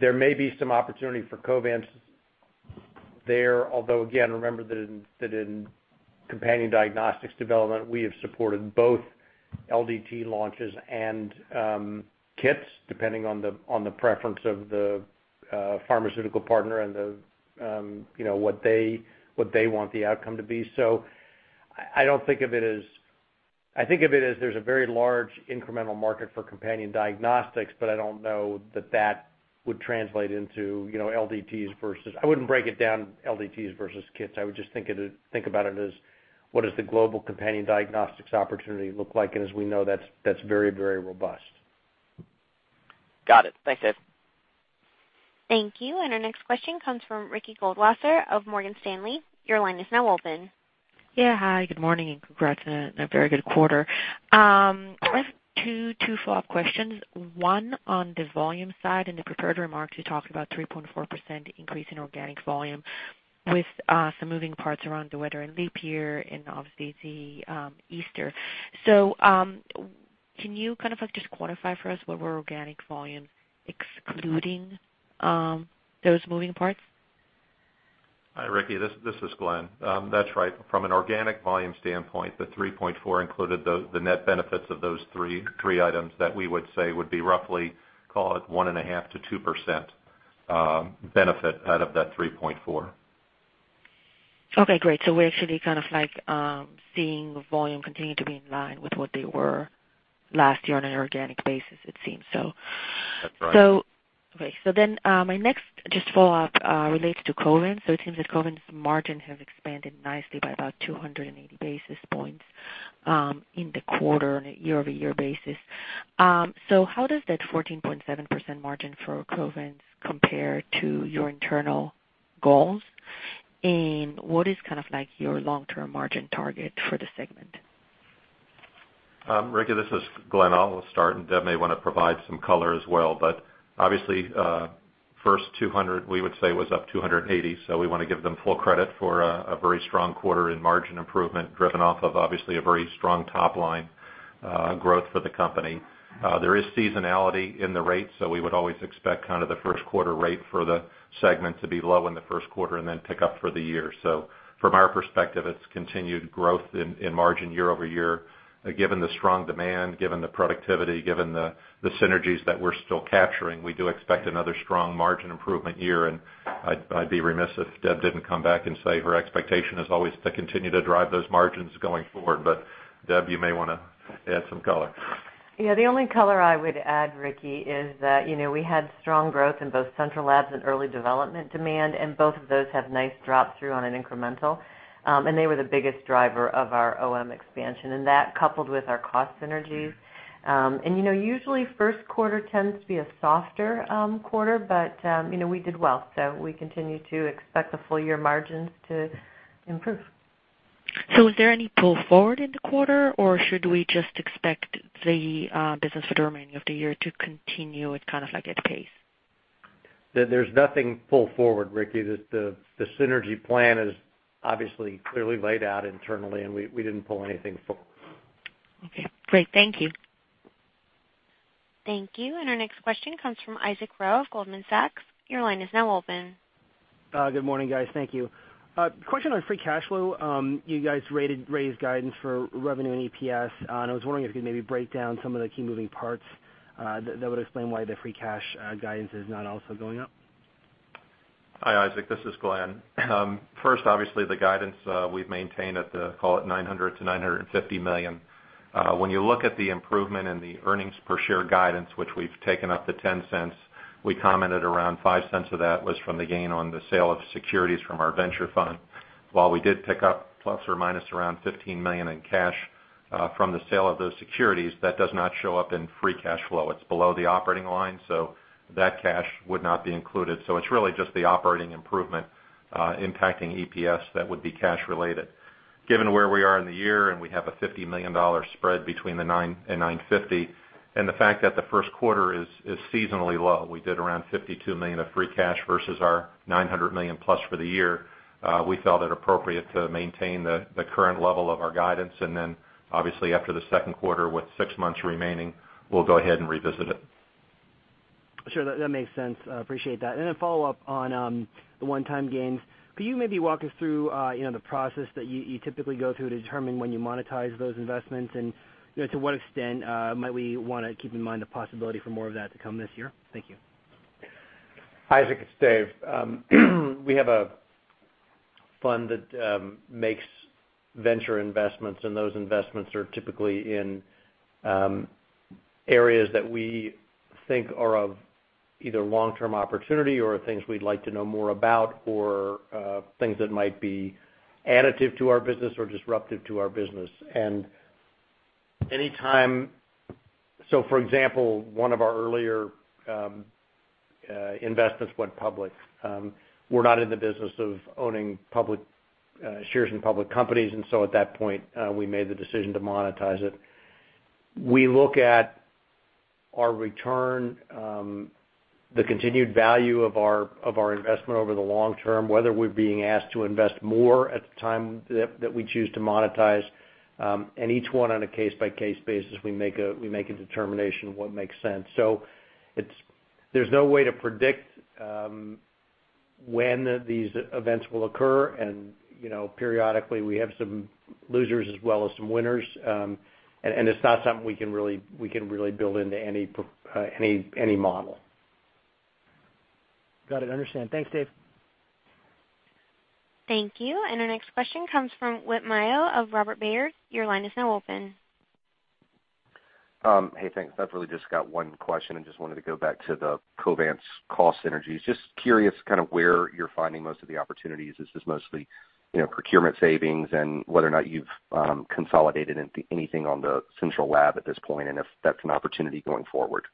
There may be some opportunity for Covance there, although again, remember that in companion diagnostics development, we have supported both LDT launches and kits, depending on the preference of the pharmaceutical partner and what they want the outcome to be. I do not think of it as, I think of it as there's a very large incremental market for companion diagnostics, but I do not know that that would translate into LDTs versus, I would not break it down LDTs versus kits. I would just think about it as what does the global companion diagnostics opportunity look like? As we know, that's very, very robust. Got it. Thanks, Dave. Thank you. Our next question comes from Ricky Goldwasser of Morgan Stanley. Your line is now open. Yeah. Hi. Good morning and congrats on a very good quarter. I have two follow-up questions. One on the volume side and the prepared remarks you talked about 3.4% increase in organic volume with some moving parts around the winter and leap year and obviously the Easter. Can you kind of just quantify for us what were organic volumes excluding those moving parts? Hi, Ricky. This is Glenn. That's right. From an organic volume standpoint, the 3.4% included the net benefits of those three items that we would say would be roughly call it 1.5-2% benefit out of that 3.4%. Okay. Great. We are actually kind of seeing volume continue to be in line with what they were last year on an organic basis, it seems. That's right. Okay. My next just follow-up relates to Covance. It seems that Covance's margin has expanded nicely by about 280 basis points in the quarter on a year-over-year basis. How does that 14.7% margin for Covance compare to your internal goals? What is kind of your long-term margin target for the segment? Ricky, this is Glenn. I'll start, and Deb may want to provide some color as well. Obviously, first quarter, we would say was up 280. We want to give them full credit for a very strong quarter in margin improvement driven off of a very strong top-line growth for the company. There is seasonality in the rate, so we would always expect kind of the first quarter rate for the segment to be low in the first quarter and then pick up for the year. From our perspective, it's continued growth in margin year-over-year. Given the strong demand, given the productivity, given the synergies that we're still capturing, we do expect another strong margin improvement year. I would be remiss if Deb did not come back and say her expectation is always to continue to drive those margins going forward. Deb, you may want to add some color. Yeah. The only color I would add, Ricky, is that we had strong growth in both central labs and early development demand, and both of those have nice drop-through on an incremental. They were the biggest driver of our OM expansion. That coupled with our cost synergies. Usually, first quarter tends to be a softer quarter, but we did well. We continue to expect the full-year margins to improve. Is there any pull forward in the quarter, or should we just expect the business for the remainder of the year to continue at kind of at pace? There is nothing pull forward, Ricky. The synergy plan is obviously clearly laid out internally, and we did not pull anything forward. Okay. Great. Thank you. Thank you. Our next question comes from Isaac Rowe of Goldman Sachs. Your line is now open. Good morning, guys. Thank you. Question on free cash flow. You guys raised guidance for revenue and EPS. I was wondering if you could maybe break down some of the key moving parts that would explain why the free cash guidance is not also going up. Hi, Isaac. This is Glenn. First, obviously, the guidance we have maintained at the, call it, $900 million to $950 million. When you look at the improvement in the earnings per share guidance, which we have taken up to $0.10, we commented around $0.05 of that was from the gain on the sale of securities from our venture fund. While we did pick up plus or minus around $15 million in cash from the sale of those securities, that does not show up in free cash flow. It's below the operating line, so that cash would not be included. So it's really just the operating improvement impacting EPS that would be cash-related. Given where we are in the year and we have a $50 million spread between the $900 million and $950 million, and the fact that the first quarter is seasonally low, we did around $52 million of free cash versus our $900 million plus for the year, we felt it appropriate to maintain the current level of our guidance. Obviously, after the second quarter, with six months remaining, we'll go ahead and revisit it. Sure. That makes sense. Appreciate that. And then follow-up on the one-time gains. Could you maybe walk us through the process that you typically go through to determine when you monetize those investments and to what extent might we want to keep in mind the possibility for more of that to come this year? Thank you. Hi, Isaac. It's Dave. We have a fund that makes venture investments, and those investments are typically in areas that we think are of either long-term opportunity or things we'd like to know more about or things that might be additive to our business or disruptive to our business. Anytime, for example, one of our earlier investments went public. We're not in the business of owning public shares in public companies. At that point, we made the decision to monetize it. We look at our return, the continued value of our investment over the long term, whether we're being asked to invest more at the time that we choose to monetize. Each one on a case-by-case basis, we make a determination of what makes sense. There is no way to predict when these events will occur. Periodically, we have some losers as well as some winners. It is not something we can really build into any model. Got it. Understand. Thanks, Dave. Thank you. Our next question comes from Whitmeyer of Robert Baird. Your line is now open. Hey, thanks. I have really just got one question. I just wanted to go back to the Covance cost synergies. Just curious kind of where you're finding most of the opportunities. Is this mostly procurement savings and whether or not you've consolidated anything on the central lab at this point and if that's an opportunity going forward?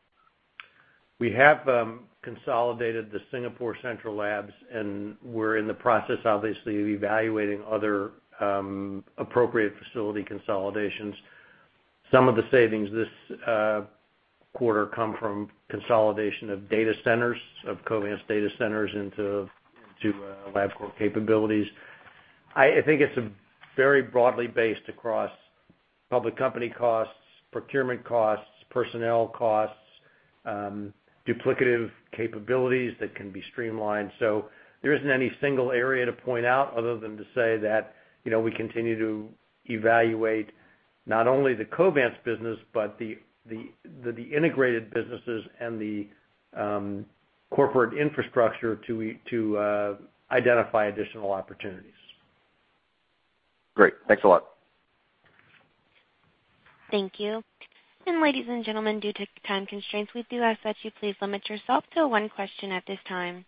We have consolidated the Singapore central labs, and we're in the process, obviously, of evaluating other appropriate facility consolidations. Some of the savings this quarter come from consolidation of data centers, of Covance data centers into Labcorp capabilities. I think it's very broadly based across public company costs, procurement costs, personnel costs, duplicative capabilities that can be streamlined. There isn't any single area to point out other than to say that we continue to evaluate not only the Covance business but the integrated businesses and the corporate infrastructure to identify additional opportunities. Great. Thanks a lot. Thank you. Ladies and gentlemen, due to time constraints, we do ask that you please limit yourself to one question at this time.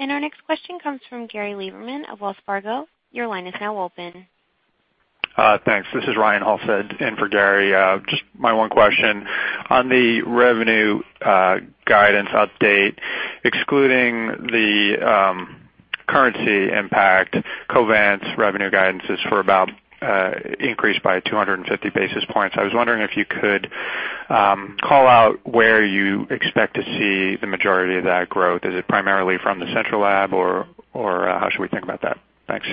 Our next question comes from Gary Lieberman of Wells Fargo. Your line is now open. T Thanks. This is Ryan Halsted in for Gary. Just my one question. On the revenue guidance update, excluding the currency impact, Covance revenue guidance is for about increased by 250 basis points. I was wondering if you could call out where you expect to see the majority of that growth. Is it primarily from the central lab, or how should we think about that? Thanks.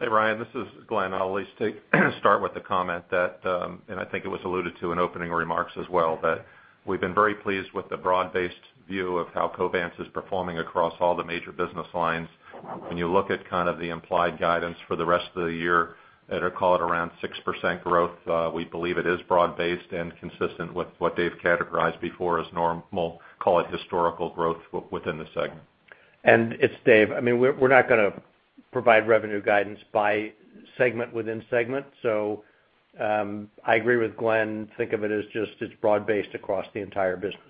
Hey, Ryan. This is Glenn. I'll at least start with the comment that, and I think it was alluded to in opening remarks as well, that we've been very pleased with the broad-based view of how Covance is performing across all the major business lines. When you look at kind of the implied guidance for the rest of the year at a, call it, around 6% growth, we believe it is broad-based and consistent with what they've categorized before as normal, call it, historical growth within the segment. And it's Dave. I mean, we're not going to provide revenue guidance by segment within segment. I agree with Glenn. Think of it as just it's broad-based across the entire business.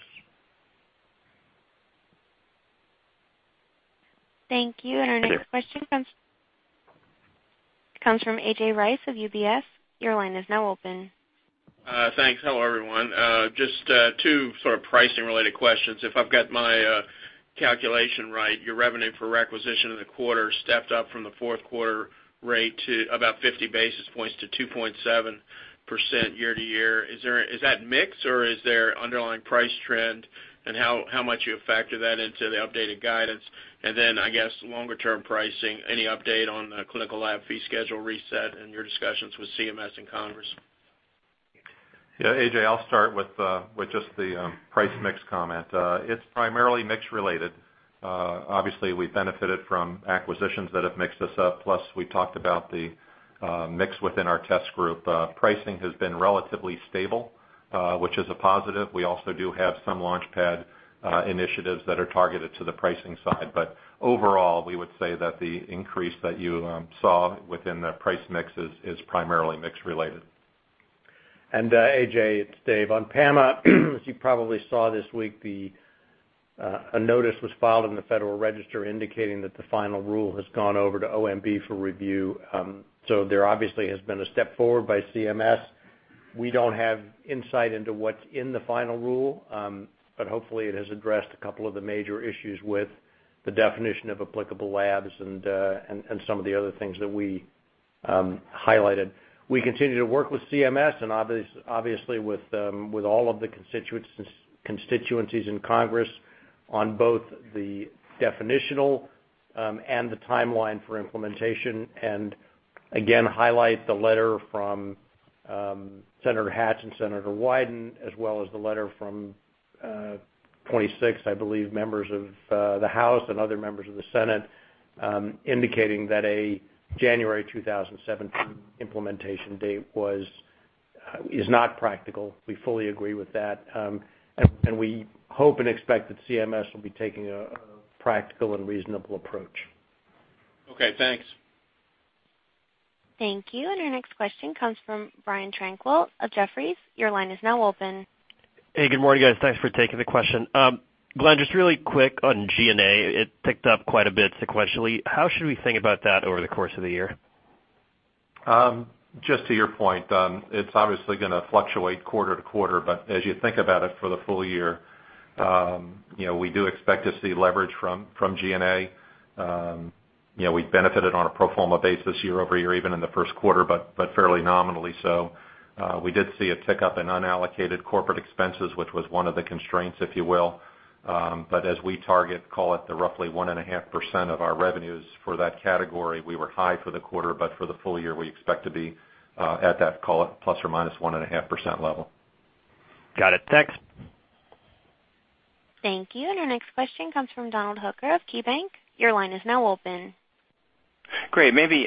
Thank you. Our next question comes from AJ Rice of UBS. Your line is now open. Thanks. Hello, everyone. Just two sort of pricing-related questions. If I've got my calculation right, your revenue for requisition in the quarter stepped up from the fourth quarter rate to about 50 basis points to 2.7% year-to-year. Is that mixed, or is there underlying price trend, and how much you factor that into the updated guidance? I guess longer-term pricing, any update on the clinical lab fee schedule reset and your discussions with CMS and Congress? Yeah. AJ, I'll start with just the price mix comment. It's primarily mix-related. Obviously, we've benefited from acquisitions that have mixed us up. Plus, we talked about the mix within our test group. Pricing has been relatively stable, which is a positive. We also do have some Launch Pad initiatives that are targeted to the pricing side. Overall, we would say that the increase that you saw within the price mix is primarily mix-related. AJ, it's Dave. On PAMA, as you probably saw this week, a notice was filed in the Federal Register indicating that the final rule has gone over to OMB for review. There obviously has been a step forward by CMS. We do not have insight into what is in the final rule, but hopefully, it has addressed a couple of the major issues with the definition of applicable labs and some of the other things that we highlighted. We continue to work with CMS and obviously with all of the constituencies in Congress on both the definitional and the timeline for implementation. Again, highlight the letter from Senator Hatch and Senator Wyden, as well as the letter from 26, I believe, members of the House and other members of the Senate indicating that a January 2017 implementation date is not practical. We fully agree with that. We hope and expect that CMS will be taking a practical and reasonable approach. Okay. Thanks. Thank you. Our next question comes from Brian Tranquil of Jefferies. Your line is now open. Hey, good morning, guys. Thanks for taking the question. Glenn, just really quick on G&A. It ticked up quite a bit sequentially. How should we think about that over the course of the year? Just to your point, it's obviously going to fluctuate quarter to quarter. As you think about it for the full year, we do expect to see leverage from G&A. We've benefited on a pro forma basis year over year, even in the first quarter, but fairly nominally so. We did see a tick up in unallocated corporate expenses, which was one of the constraints, if you will. As we target, call it, the roughly 1.5% of our revenues for that category, we were high for the quarter, but for the full year, we expect to be at that, call it, plus or minus 1.5% level. Got it. Thanks. Thank you. Our next question comes from Donald Hooker of KeyBank. Your line is now open. Great. Maybe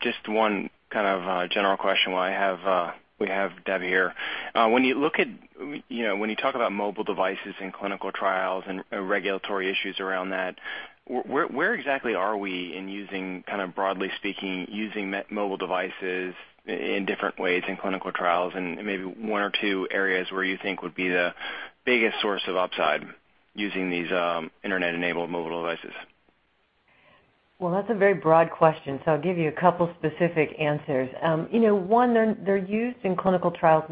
just one kind of general question while we have Deb here. When you look at when you talk about mobile devices and clinical trials and regulatory issues around that, where exactly are we in using, kind of broadly speaking, using mobile devices in different ways in clinical trials? Maybe one or 2 areas where you think would be the biggest source of upside using these internet-enabled mobile devices? That is a very broad question, so I'll give you a couple specific answers. One, they're used in clinical trials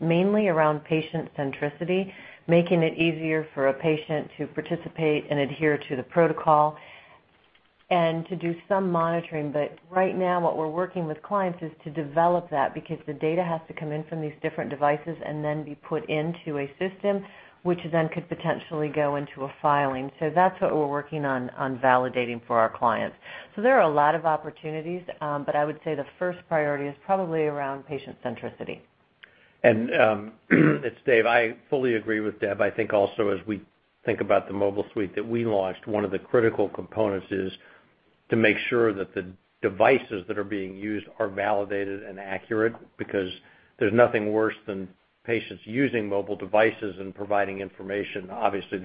mainly around patient centricity, making it easier for a patient to participate and adhere to the protocol and to do some monitoring. Right now, what we're working with clients is to develop that because the data has to come in from these different devices and then be put into a system, which then could potentially go into a filing. That's what we're working on validating for our clients. There are a lot of opportunities, but I would say the first priority is probably around patient centricity. It's Dave. I fully agree with Deb. I think also, as we think about the mobile suite that we launched, one of the critical components is to make sure that the devices that are being used are validated and accurate because there's nothing worse than patients using mobile devices and providing information, obviously,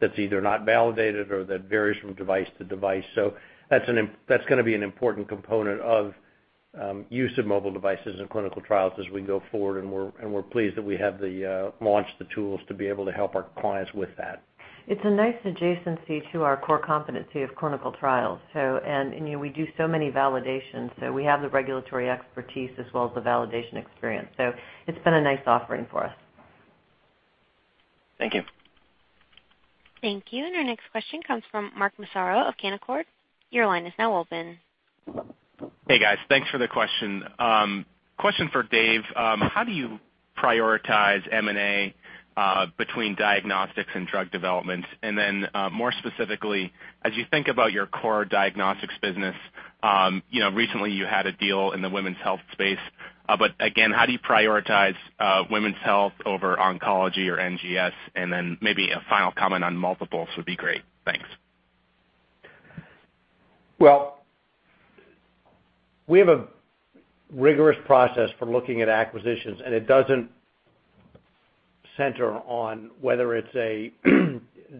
that's either not validated or that varies from device to device. That's going to be an important component of use of mobile devices in clinical trials as we go forward. We're pleased that we have launched the tools to be able to help our clients with that. It's a nice adjacency to our core competency of clinical trials. We do so many validations. We have the regulatory expertise as well as the validation experience. It's been a nice offering for us. Thank you. Thank you. Our next question comes from Mark Massaro of Canaccord. Your line is now open. Hey, guys. Thanks for the question. Question for Dave. How do you prioritize M&A between diagnostics and drug development? More specifically, as you think about your core diagnostics business, recently you had a deal in the women's health space. Again, how do you prioritize women's health over oncology or NGS? Maybe a final comment on multiples would be great. Thanks. We have a rigorous process for looking at acquisitions, and it does not center on whether it is a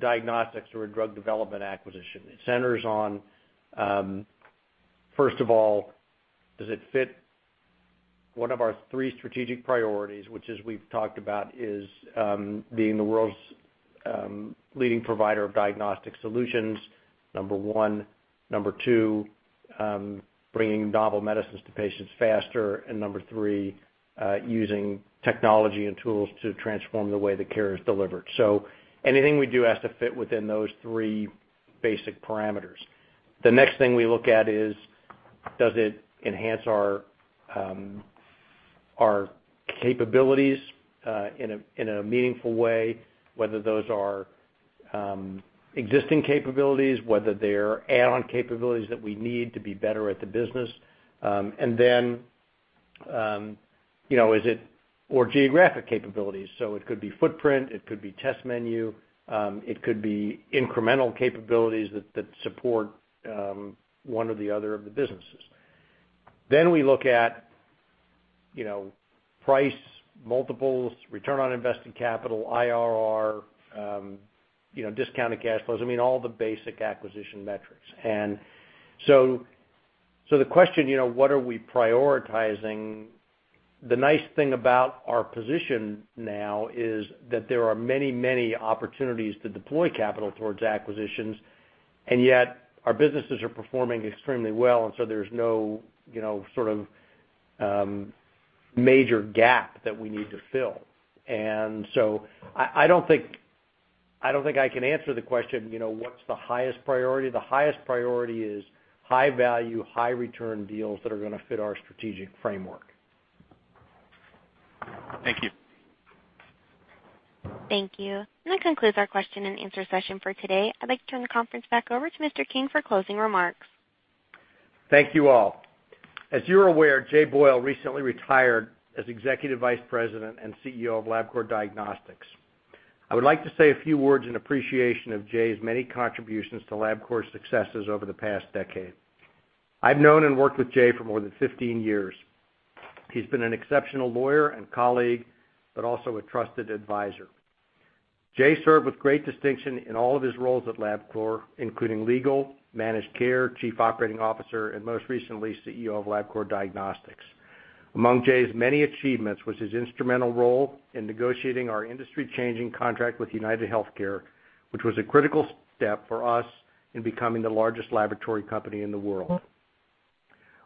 diagnostics or a drug development acquisition. It centers on, first of all, does it fit one of our three strategic priorities, which, as we have talked about, is being the world's leading provider of diagnostic solutions, number one. Number two, bringing novel medicines to patients faster. Number three, using technology and tools to transform the way the care is delivered. Anything we do has to fit within those three basic parameters. The next thing we look at is, does it enhance our capabilities in a meaningful way, whether those are existing capabilities, whether they are add-on capabilities that we need to be better at the business? Then is it geographic capabilities? It could be footprint. It could be test menu. It could be incremental capabilities that support one or the other of the businesses. Then we look at price, multiples, return on invested capital, IRR, discounted cash flows. I mean, all the basic acquisition metrics. The question, what are we prioritizing? The nice thing about our position now is that there are many, many opportunities to deploy capital towards acquisitions, and yet our businesses are performing extremely well. There is no sort of major gap that we need to fill. I do not think I can answer the question, what is the highest priority? The highest priority is high-value, high-return deals that are going to fit our strategic framework. Thank you. Thank you. That concludes our question and answer session for today. I would like to turn the conference back over to Mr. King for closing remarks. Thank you all. As you're aware, Jay Boyle recently retired as Executive Vice President and CEO of Labcorp Diagnostics. I would like to say a few words in appreciation of Jay's many contributions to Labcorp's successes over the past decade. I've known and worked with Jay for more than 15 years. He's been an exceptional lawyer and colleague, but also a trusted advisor. Jay served with great distinction in all of his roles at Labcorp, including legal, managed care, Chief Operating Officer, and most recently, CEO of Labcorp Diagnostics. Among Jay's many achievements was his instrumental role in negotiating our industry-changing contract with UnitedHealthCare, which was a critical step for us in becoming the largest laboratory company in the world.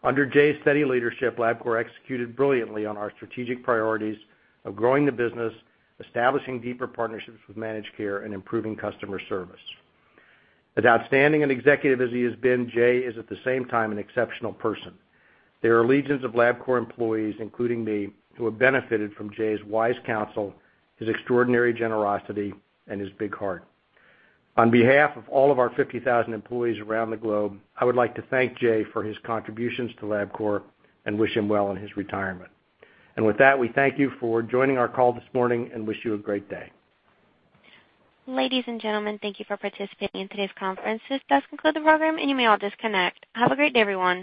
Under Jay's steady leadership, Labcorp executed brilliantly on our strategic priorities of growing the business, establishing deeper partnerships with managed care, and improving customer service. As outstanding an executive as he has been, Jay is at the same time an exceptional person. There are legions of Labcorp employees, including me, who have benefited from Jay's wise counsel, his extraordinary generosity, and his big heart. On behalf of all of our 50,000 employees around the globe, I would like to thank Jay for his contributions to Labcorp and wish him well in his retirement. We thank you for joining our call this morning and wish you a great day. Ladies and gentlemen, thank you for participating in today's conference. This does conclude the program, and you may all disconnect. Have a great day, everyone.